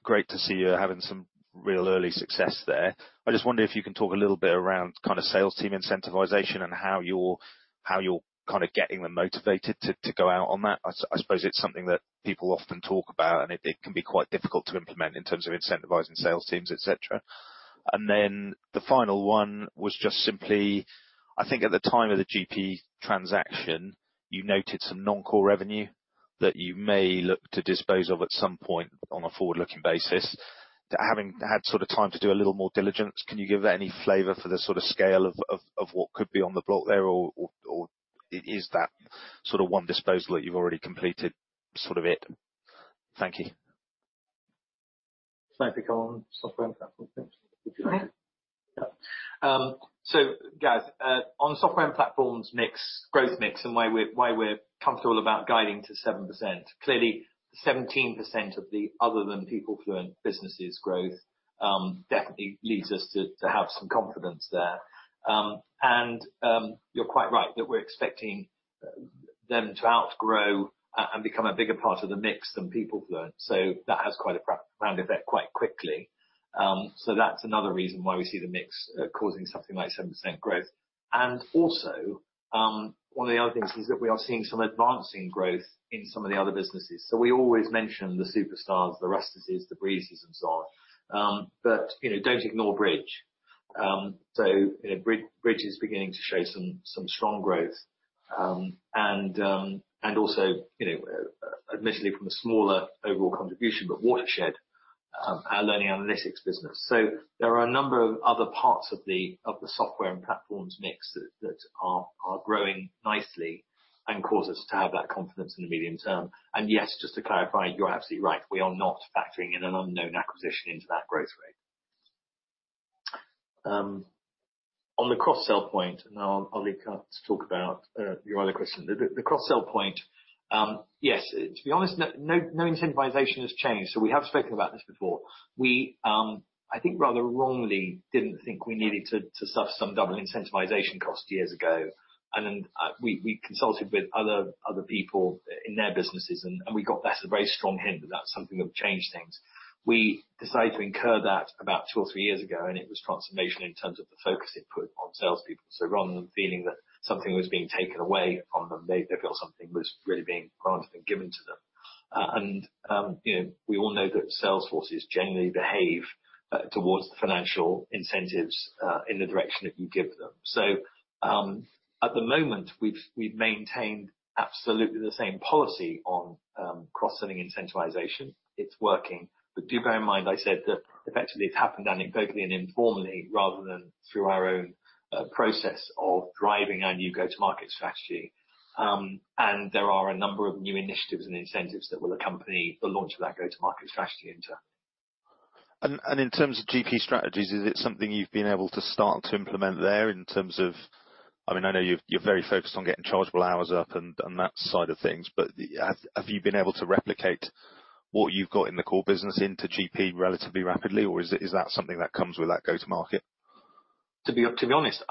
Great to see you having some real early success there. I just wonder if you can talk a little bit around kind of sales team incentivization and how you're kind of getting them motivated to go out on that. I suppose it's something that people often talk about, and it can be quite difficult to implement in terms of incentivizing sales teams, etc. The final one was just simply, I think at the time of the GP transaction, you noted some non-core revenue that you may look to dispose of at some point on a forward-looking basis. To having had sort of time to do a little more diligence, can you give any flavor for the sort of scale of what could be on the block there or is that sort of one disposal that you've already completed sort of it? Thank you. Can I pick on software and platform things? Yeah. Gareth, on software and platforms growth mix and why we're comfortable about guiding to 7%, clearly 17% of the other than PeopleFluent businesses growth definitely leads us to have some confidence there. You're quite right that we're expecting them to outgrow and become a bigger part of the mix than PeopleFluent. That has quite a pronounced effect quite quickly. That's another reason why we see the mix causing something like 7% growth. One of the other things is that we are seeing some accelerating growth in some of the other businesses. We always mention the superstars, the Rustici, the Breezy and so on. You know, don't ignore Bridge. You know, Bridge is beginning to show some strong growth. Also, you know, admittedly from a smaller overall contribution, but Watershed, our learning analytics business. There are a number of other parts of the software and platforms mix that are growing nicely and cause us to have that confidence in the medium term. Yes, just to clarify, you're absolutely right. We are not factoring in an unknown acquisition into that growth rate. On the cross-sell point, and I'll leave Kath to talk about your other question. The cross-sell point, yes, to be honest, no incentivization has changed. We have spoken about this before. I think rather wrongly, we didn't think we needed to suss some double incentivization costs years ago. We consulted with other people in their businesses and we got a very strong hint that that's something that would change things. We decided to incur that about 2 or 3 years ago, and it was transformational in terms of the focus it put on salespeople. Rather than feeling that something was being taken away from them, they felt something was really being granted and given to them. You know, we all know that sales forces generally behave towards the financial incentives in the direction that you give them. At the moment, we've maintained absolutely the same policy on cross-selling incentivization. It's working. Do bear in mind, I said that effectively it happened anecdotally and informally, rather than through our own process of driving our new go-to-market strategy. There are a number of new initiatives and incentives that will accompany the launch of that go-to-market strategy into. In terms of GP Strategies, is it something you've been able to start to implement there in terms of, I mean, I know you're very focused on getting chargeable hours up and that side of things, but have you been able to replicate what you've got in the core business into GP relatively rapidly, or is that something that comes with that go to market? To be honest,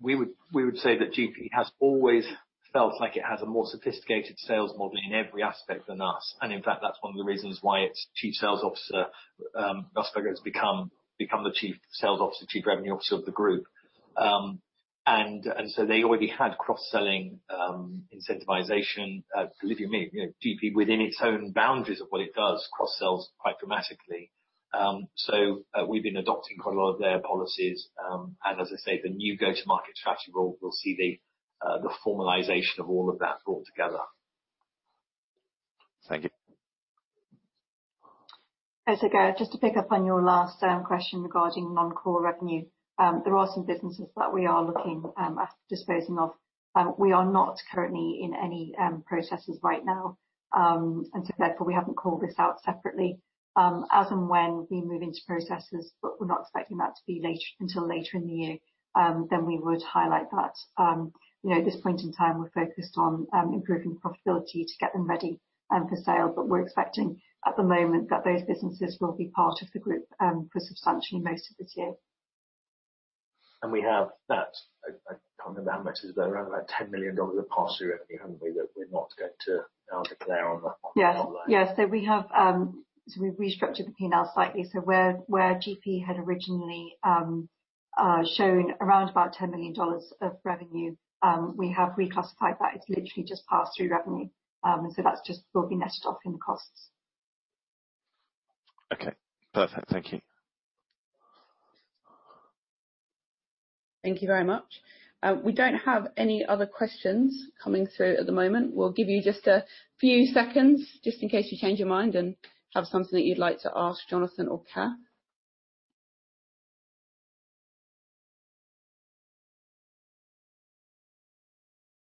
we would say that GP has always felt like it has a more sophisticated sales model in every aspect than us. In fact, that's one of the reasons why its Chief Sales Officer, Francesca Ferragina, has become the Chief Sales Officer, Chief Revenue Officer of the group. They already had cross-selling incentivization. Believe you me, you know, GP within its own boundaries of what it does cross-sells quite dramatically. We've been adopting quite a lot of their policies. As I say, the new go-to-market strategy will see the formalization of all of that brought together. Thank you. Gareth, just to pick up on your last question regarding non-core revenue. There are some businesses that we are looking at disposing of. We are not currently in any processes right now, and so therefore, we haven't called this out separately. As and when we move into processes, but we're not expecting that to be until later in the year, then we would highlight that. You know, at this point in time, we're focused on improving profitability to get them ready for sale, but we're expecting at the moment that those businesses will be part of the group for substantially most of this year. We have that. I can't remember how much it is, but around about $10 million of pass-through revenue, haven't we? That we're not going to now declare on the- Yes. Online. Yes. We've restructured the P&L slightly. Where GP had originally shown around about $10 million of revenue, we have reclassified that. It's literally just pass-through revenue. That's just will be netted off in the costs. Okay. Perfect. Thank you. Thank you very much. We don't have any other questions coming through at the moment. We'll give you just a few seconds, just in case you change your mind and have something that you'd like to ask Jonathan or Kath.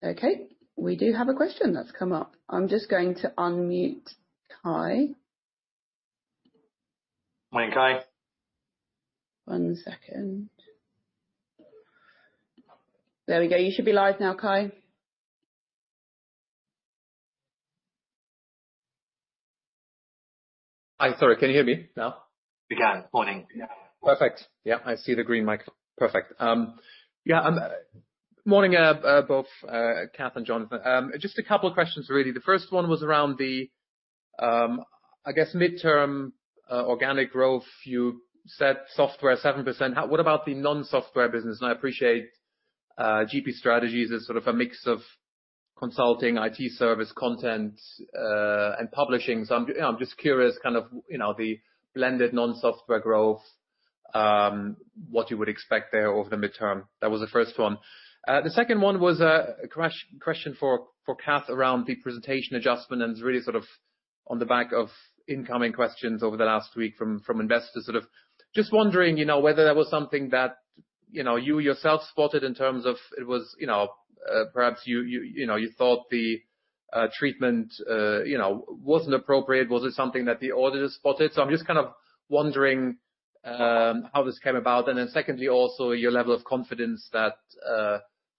Okay, we do have a question that's come up. I'm just going to unmute Kai. Morning, Kai. One second. There we go. You should be live now, Kai. Hi, sorry. Can you hear me now? We can. Morning. Perfect. Yeah, I see the green mic. Perfect. Morning, both, Kath and Jonathan. Just a couple of questions, really. The first one was around the, I guess midterm, organic growth. You said software, 7%. What about the non-software business? I appreciate GP Strategies as sort of a mix of consulting, IT service, content, and publishing. I'm just curious, kind of, the blended non-software growth, what you would expect there over the midterm. That was the first one. The second one was a question for Kath around the presentation adjustment, and it's really sort of on the back of incoming questions over the last week from investors. Sort of just wondering whether that was something that you yourself spotted in terms of it was perhaps you thought the treatment wasn't appropriate. Was it something that the auditors spotted? I'm just kind of wondering how this came about. Then secondly, also your level of confidence that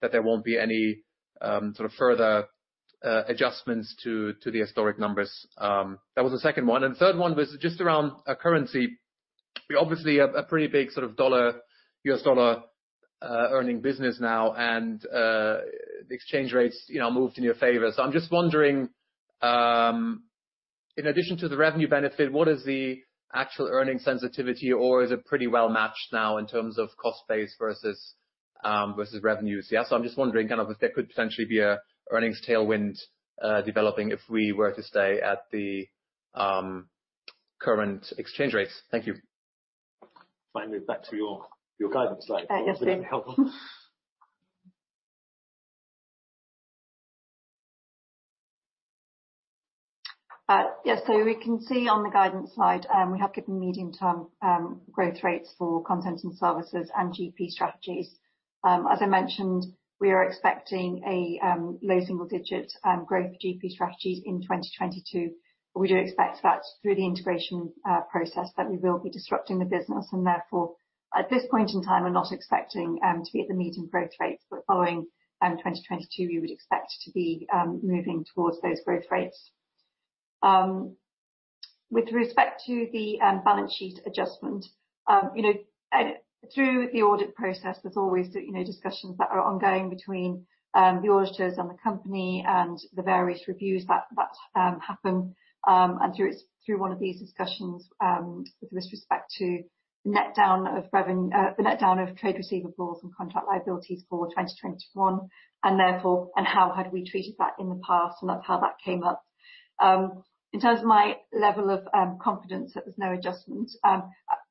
there won't be any sort of further adjustments to the historic numbers. That was the second one. Third one was just around currency. You obviously have a pretty big sort of dollar, U.S. dollar, earning business now, and the exchange rates moved in your favor. I'm just wondering, in addition to the revenue benefit, what is the actual earning sensitivity, or is it pretty well matched now in terms of cost base versus revenues? Yeah, I'm just wondering kind of if there could potentially be a earnings tailwind developing if we were to stay at the current exchange rates. Thank you. If I move back to your guidance slide. Yes, please. That would be helpful. We can see on the guidance slide, we have given medium-term growth rates for Content and Services and GP Strategies. As I mentioned, we are expecting low single-digit growth for GP Strategies in 2022. We do expect that through the integration process that we will be disrupting the business and therefore, at this point in time we're not expecting to be at the median growth rates, but following 2022, we would expect to be moving towards those growth rates. With respect to the balance sheet adjustment, you know, through the audit process, there's always, you know, discussions that are ongoing between the auditors and the company and the various reviews that happen, and through one of these discussions, with respect to the net down of trade receivables and contract liabilities for 2021, and how we had treated that in the past, and that's how that came up. In terms of my level of confidence that there's no adjustment, I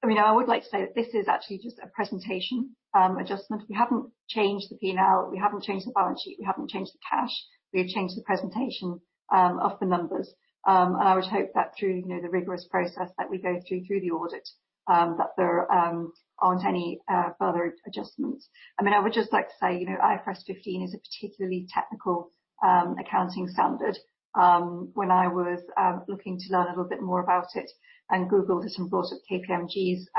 mean, I would like to say that this is actually just a presentation adjustment. We haven't changed the P&L, we haven't changed the balance sheet, we haven't changed the cash. We have changed the presentation of the numbers. I would hope that through, you know, the rigorous process that we go through the audit, that there aren't any further adjustments. I mean, I would just like to say, you know, IFRS 15 is a particularly technical accounting standard. When I was looking to learn a little bit more about it and Googled it and brought up KPMG's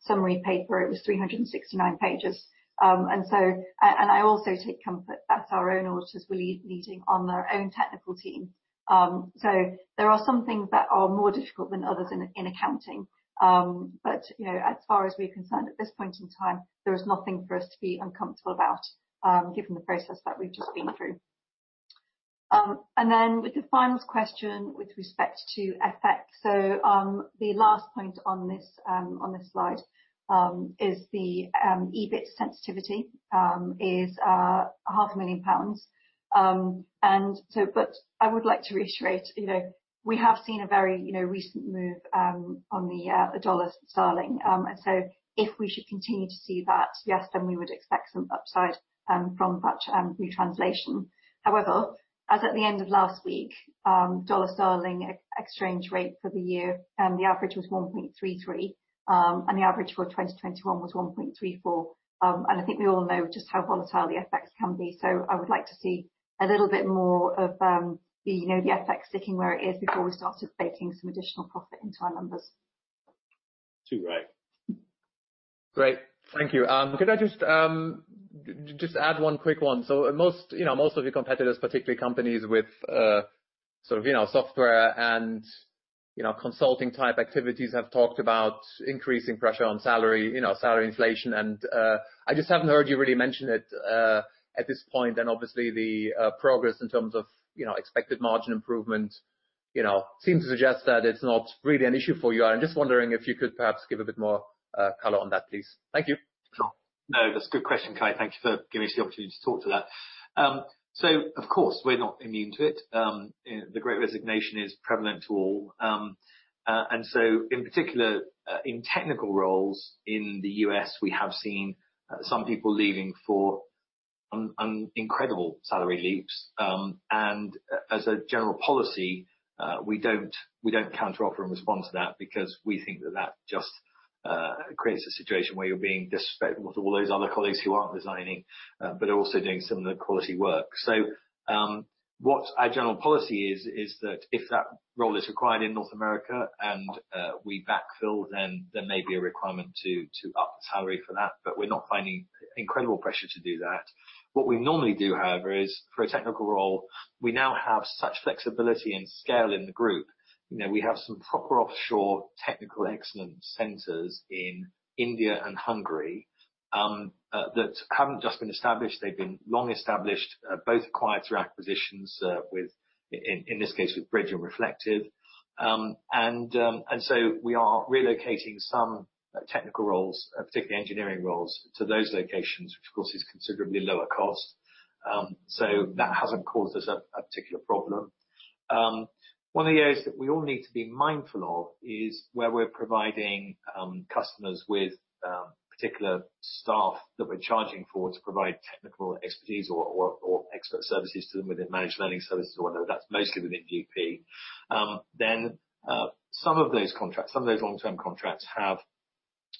summary paper, it was 369 pages. I also take comfort that our own auditors were leading on their own technical team. There are some things that are more difficult than others in accounting. As far as we're concerned at this point in time, there is nothing for us to be uncomfortable about, given the process that we've just been through. With the final question with respect to FX. The last point on this slide is the EBIT sensitivity is half a million pounds. I would like to reiterate, you know, we have seen a very, you know, recent move on the dollar/sterling. If we should continue to see that, yes, then we would expect some upside from that retranslation. However, as at the end of last week, dollar/sterling exchange rate for the year, the average was 1.33, and the average for 2021 was 1.34. I think we all know just how volatile the FX can be. I would like to see a little bit more of, you know, the FX sticking where it is before we start taking some additional profit into our numbers. To Greg. Great. Thank you. Could I just add one quick one? Most, you know, most of your competitors, particularly companies with sort of, you know, software and, you know, consulting type activities, have talked about increasing pressure on salary, you know, salary inflation. I just haven't heard you really mention it at this point. Obviously the progress in terms of, you know, expected margin improvement, you know, seems to suggest that it's not really an issue for you. I'm just wondering if you could perhaps give a bit more color on that, please. Thank you. Sure. No, that's a good question, Kai. Thank you for giving us the opportunity to talk to that. So of course we're not immune to it. The Great Resignation is prevalent to all. In particular, in technical roles in the U.S., we have seen some people leaving for incredible salary leaps. As a general policy, we don't counteroffer in response to that because we think that just creates a situation where you're being disrespectful to all those other colleagues who aren't resigning, but are also doing similar quality work. What our general policy is that if that role is required in North America and we backfill, then there may be a requirement to up the salary for that. But we're not finding incredible pressure to do that. What we normally do, however, is for a technical role, we now have such flexibility and scale in the group. You know, we have some proper offshore technical excellence centers in India and Hungary that haven't just been established. They've been long established, both acquired through acquisitions, with, in this case, with Bridge and Reflektive. We are relocating some technical roles, particularly engineering roles, to those locations, which of course is considerably lower cost. So that hasn't caused us a particular problem. One of the areas that we all need to be mindful of is where we're providing customers with particular staff that we're charging for to provide technical expertise or expert services to them within managed learning services, although that's mostly within GP. Some of those contracts, some of those long-term contracts have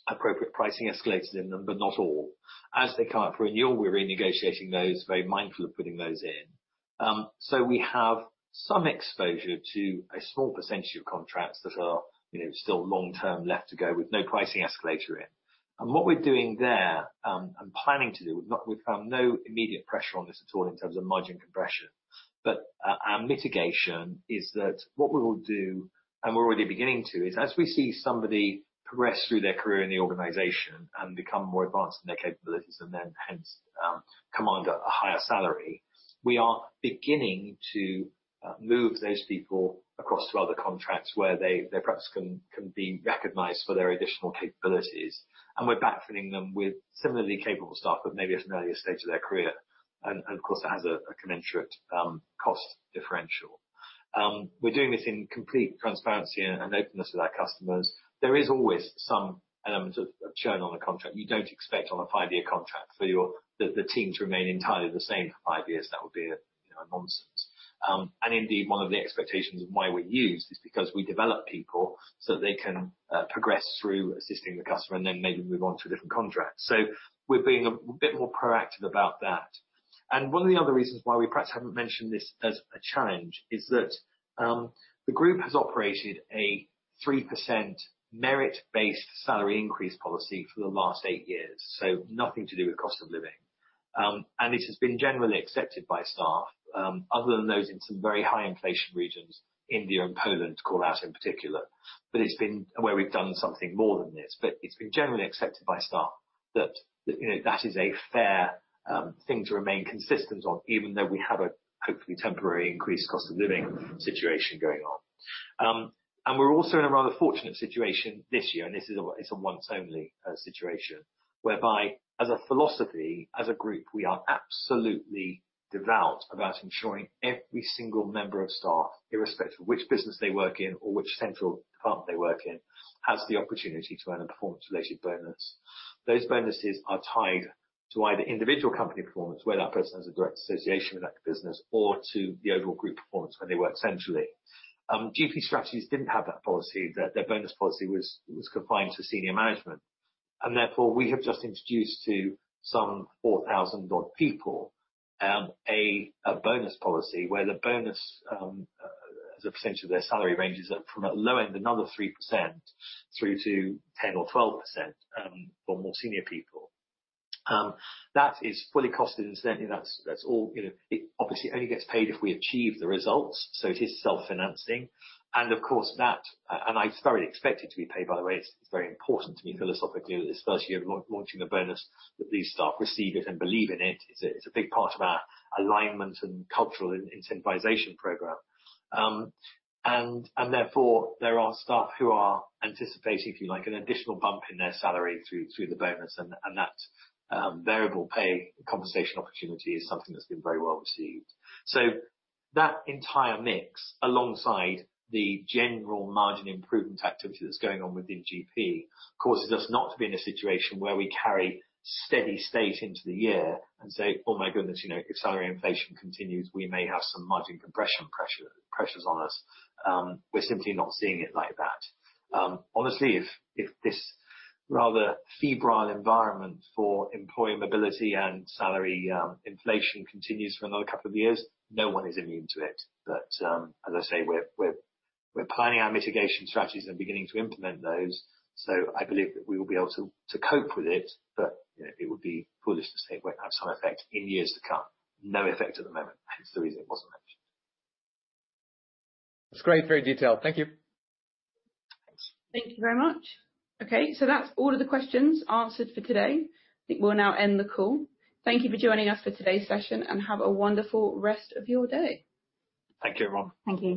appropriate pricing escalators in them, but not all. As they come up for renewal, we're renegotiating those, very mindful of putting those in. We have some exposure to a small percentage of contracts that are, you know, still long-term left to go with no pricing escalator in. What we're doing there, and planning to do, we've found no immediate pressure on this at all in terms of margin compression. Our mitigation is that what we will do, and we're already beginning to, is as we see somebody progress through their career in the organization and become more advanced in their capabilities and then hence command a higher salary, we are beginning to move those people across to other contracts where their practice can be recognized for their additional capabilities. We're backfilling them with similarly capable staff, but maybe at an earlier stage of their career. Of course, that has a commensurate cost differential. We're doing this in complete transparency and openness with our customers. There is always some element of churn on a contract. You don't expect on a five-year contract for the team to remain entirely the same for five years. That would be, you know, a nonsense. Indeed one of the expectations of why we're used is because we develop people so that they can progress through assisting the customer and then maybe move on to a different contract. We're being a bit more proactive about that. One of the other reasons why we perhaps haven't mentioned this as a challenge is that the group has operated a 3% merit-based salary increase policy for the last eight years, so nothing to do with cost of living. It has been generally accepted by staff, other than those in some very high inflation regions, India and Poland call out in particular. It's been where we've done something more than this, it's been generally accepted by staff that you know that is a fair thing to remain consistent on even though we have a hopefully temporary increased cost of living situation going on. We're also in a rather fortunate situation this year, it's a once-only situation whereby, as a philosophy, as a group, we are absolutely devout about ensuring every single member of staff, irrespective of which business they work in or which central department they work in, has the opportunity to earn a performance-related bonus. Those bonuses are tied to either individual company performance, where that person has a direct association with that business or to the overall group performance when they work centrally. GP Strategies didn't have that policy. Their bonus policy was confined to senior management, and therefore we have just introduced to some 4,000-odd people a bonus policy where the bonus as a percentage of their salary ranges from a low end another 3% through to 10% or 12% for more senior people. That is fully costed incidentally. That's all, you know. It obviously only gets paid if we achieve the results, so it is self-financing. Of course that and it's very expected to be paid by the way. It's very important to me philosophically this first year of launching the bonus that these staff receive it and believe in it. It's a big part of our alignment and cultural incentivization program. Therefore, there are staff who are anticipating, if you like, an additional bump in their salary through the bonus and that variable pay compensation opportunity is something that's been very well received. That entire mix, alongside the general margin improvement activity that's going on within GP, causes us not to be in a situation where we carry steady state into the year and say, "Oh, my goodness, you know, if salary inflation continues, we may have some margin compression pressures on us." We're simply not seeing it like that. Honestly, if this rather febrile environment for employee mobility and salary inflation continues for another couple of years, no one is immune to it. As I say, we're planning our mitigation strategies and beginning to implement those. I believe that we will be able to cope with it. You know, it would be foolish to say it won't have some effect in years to come. No effect at the moment, hence the reason it wasn't mentioned. That's great. Very detailed. Thank you. Thanks. Thank you very much. Okay. That's all of the questions answered for today. I think we'll now end the call. Thank you for joining us for today's session, and have a wonderful rest of your day. Thank you, everyone. Thank you.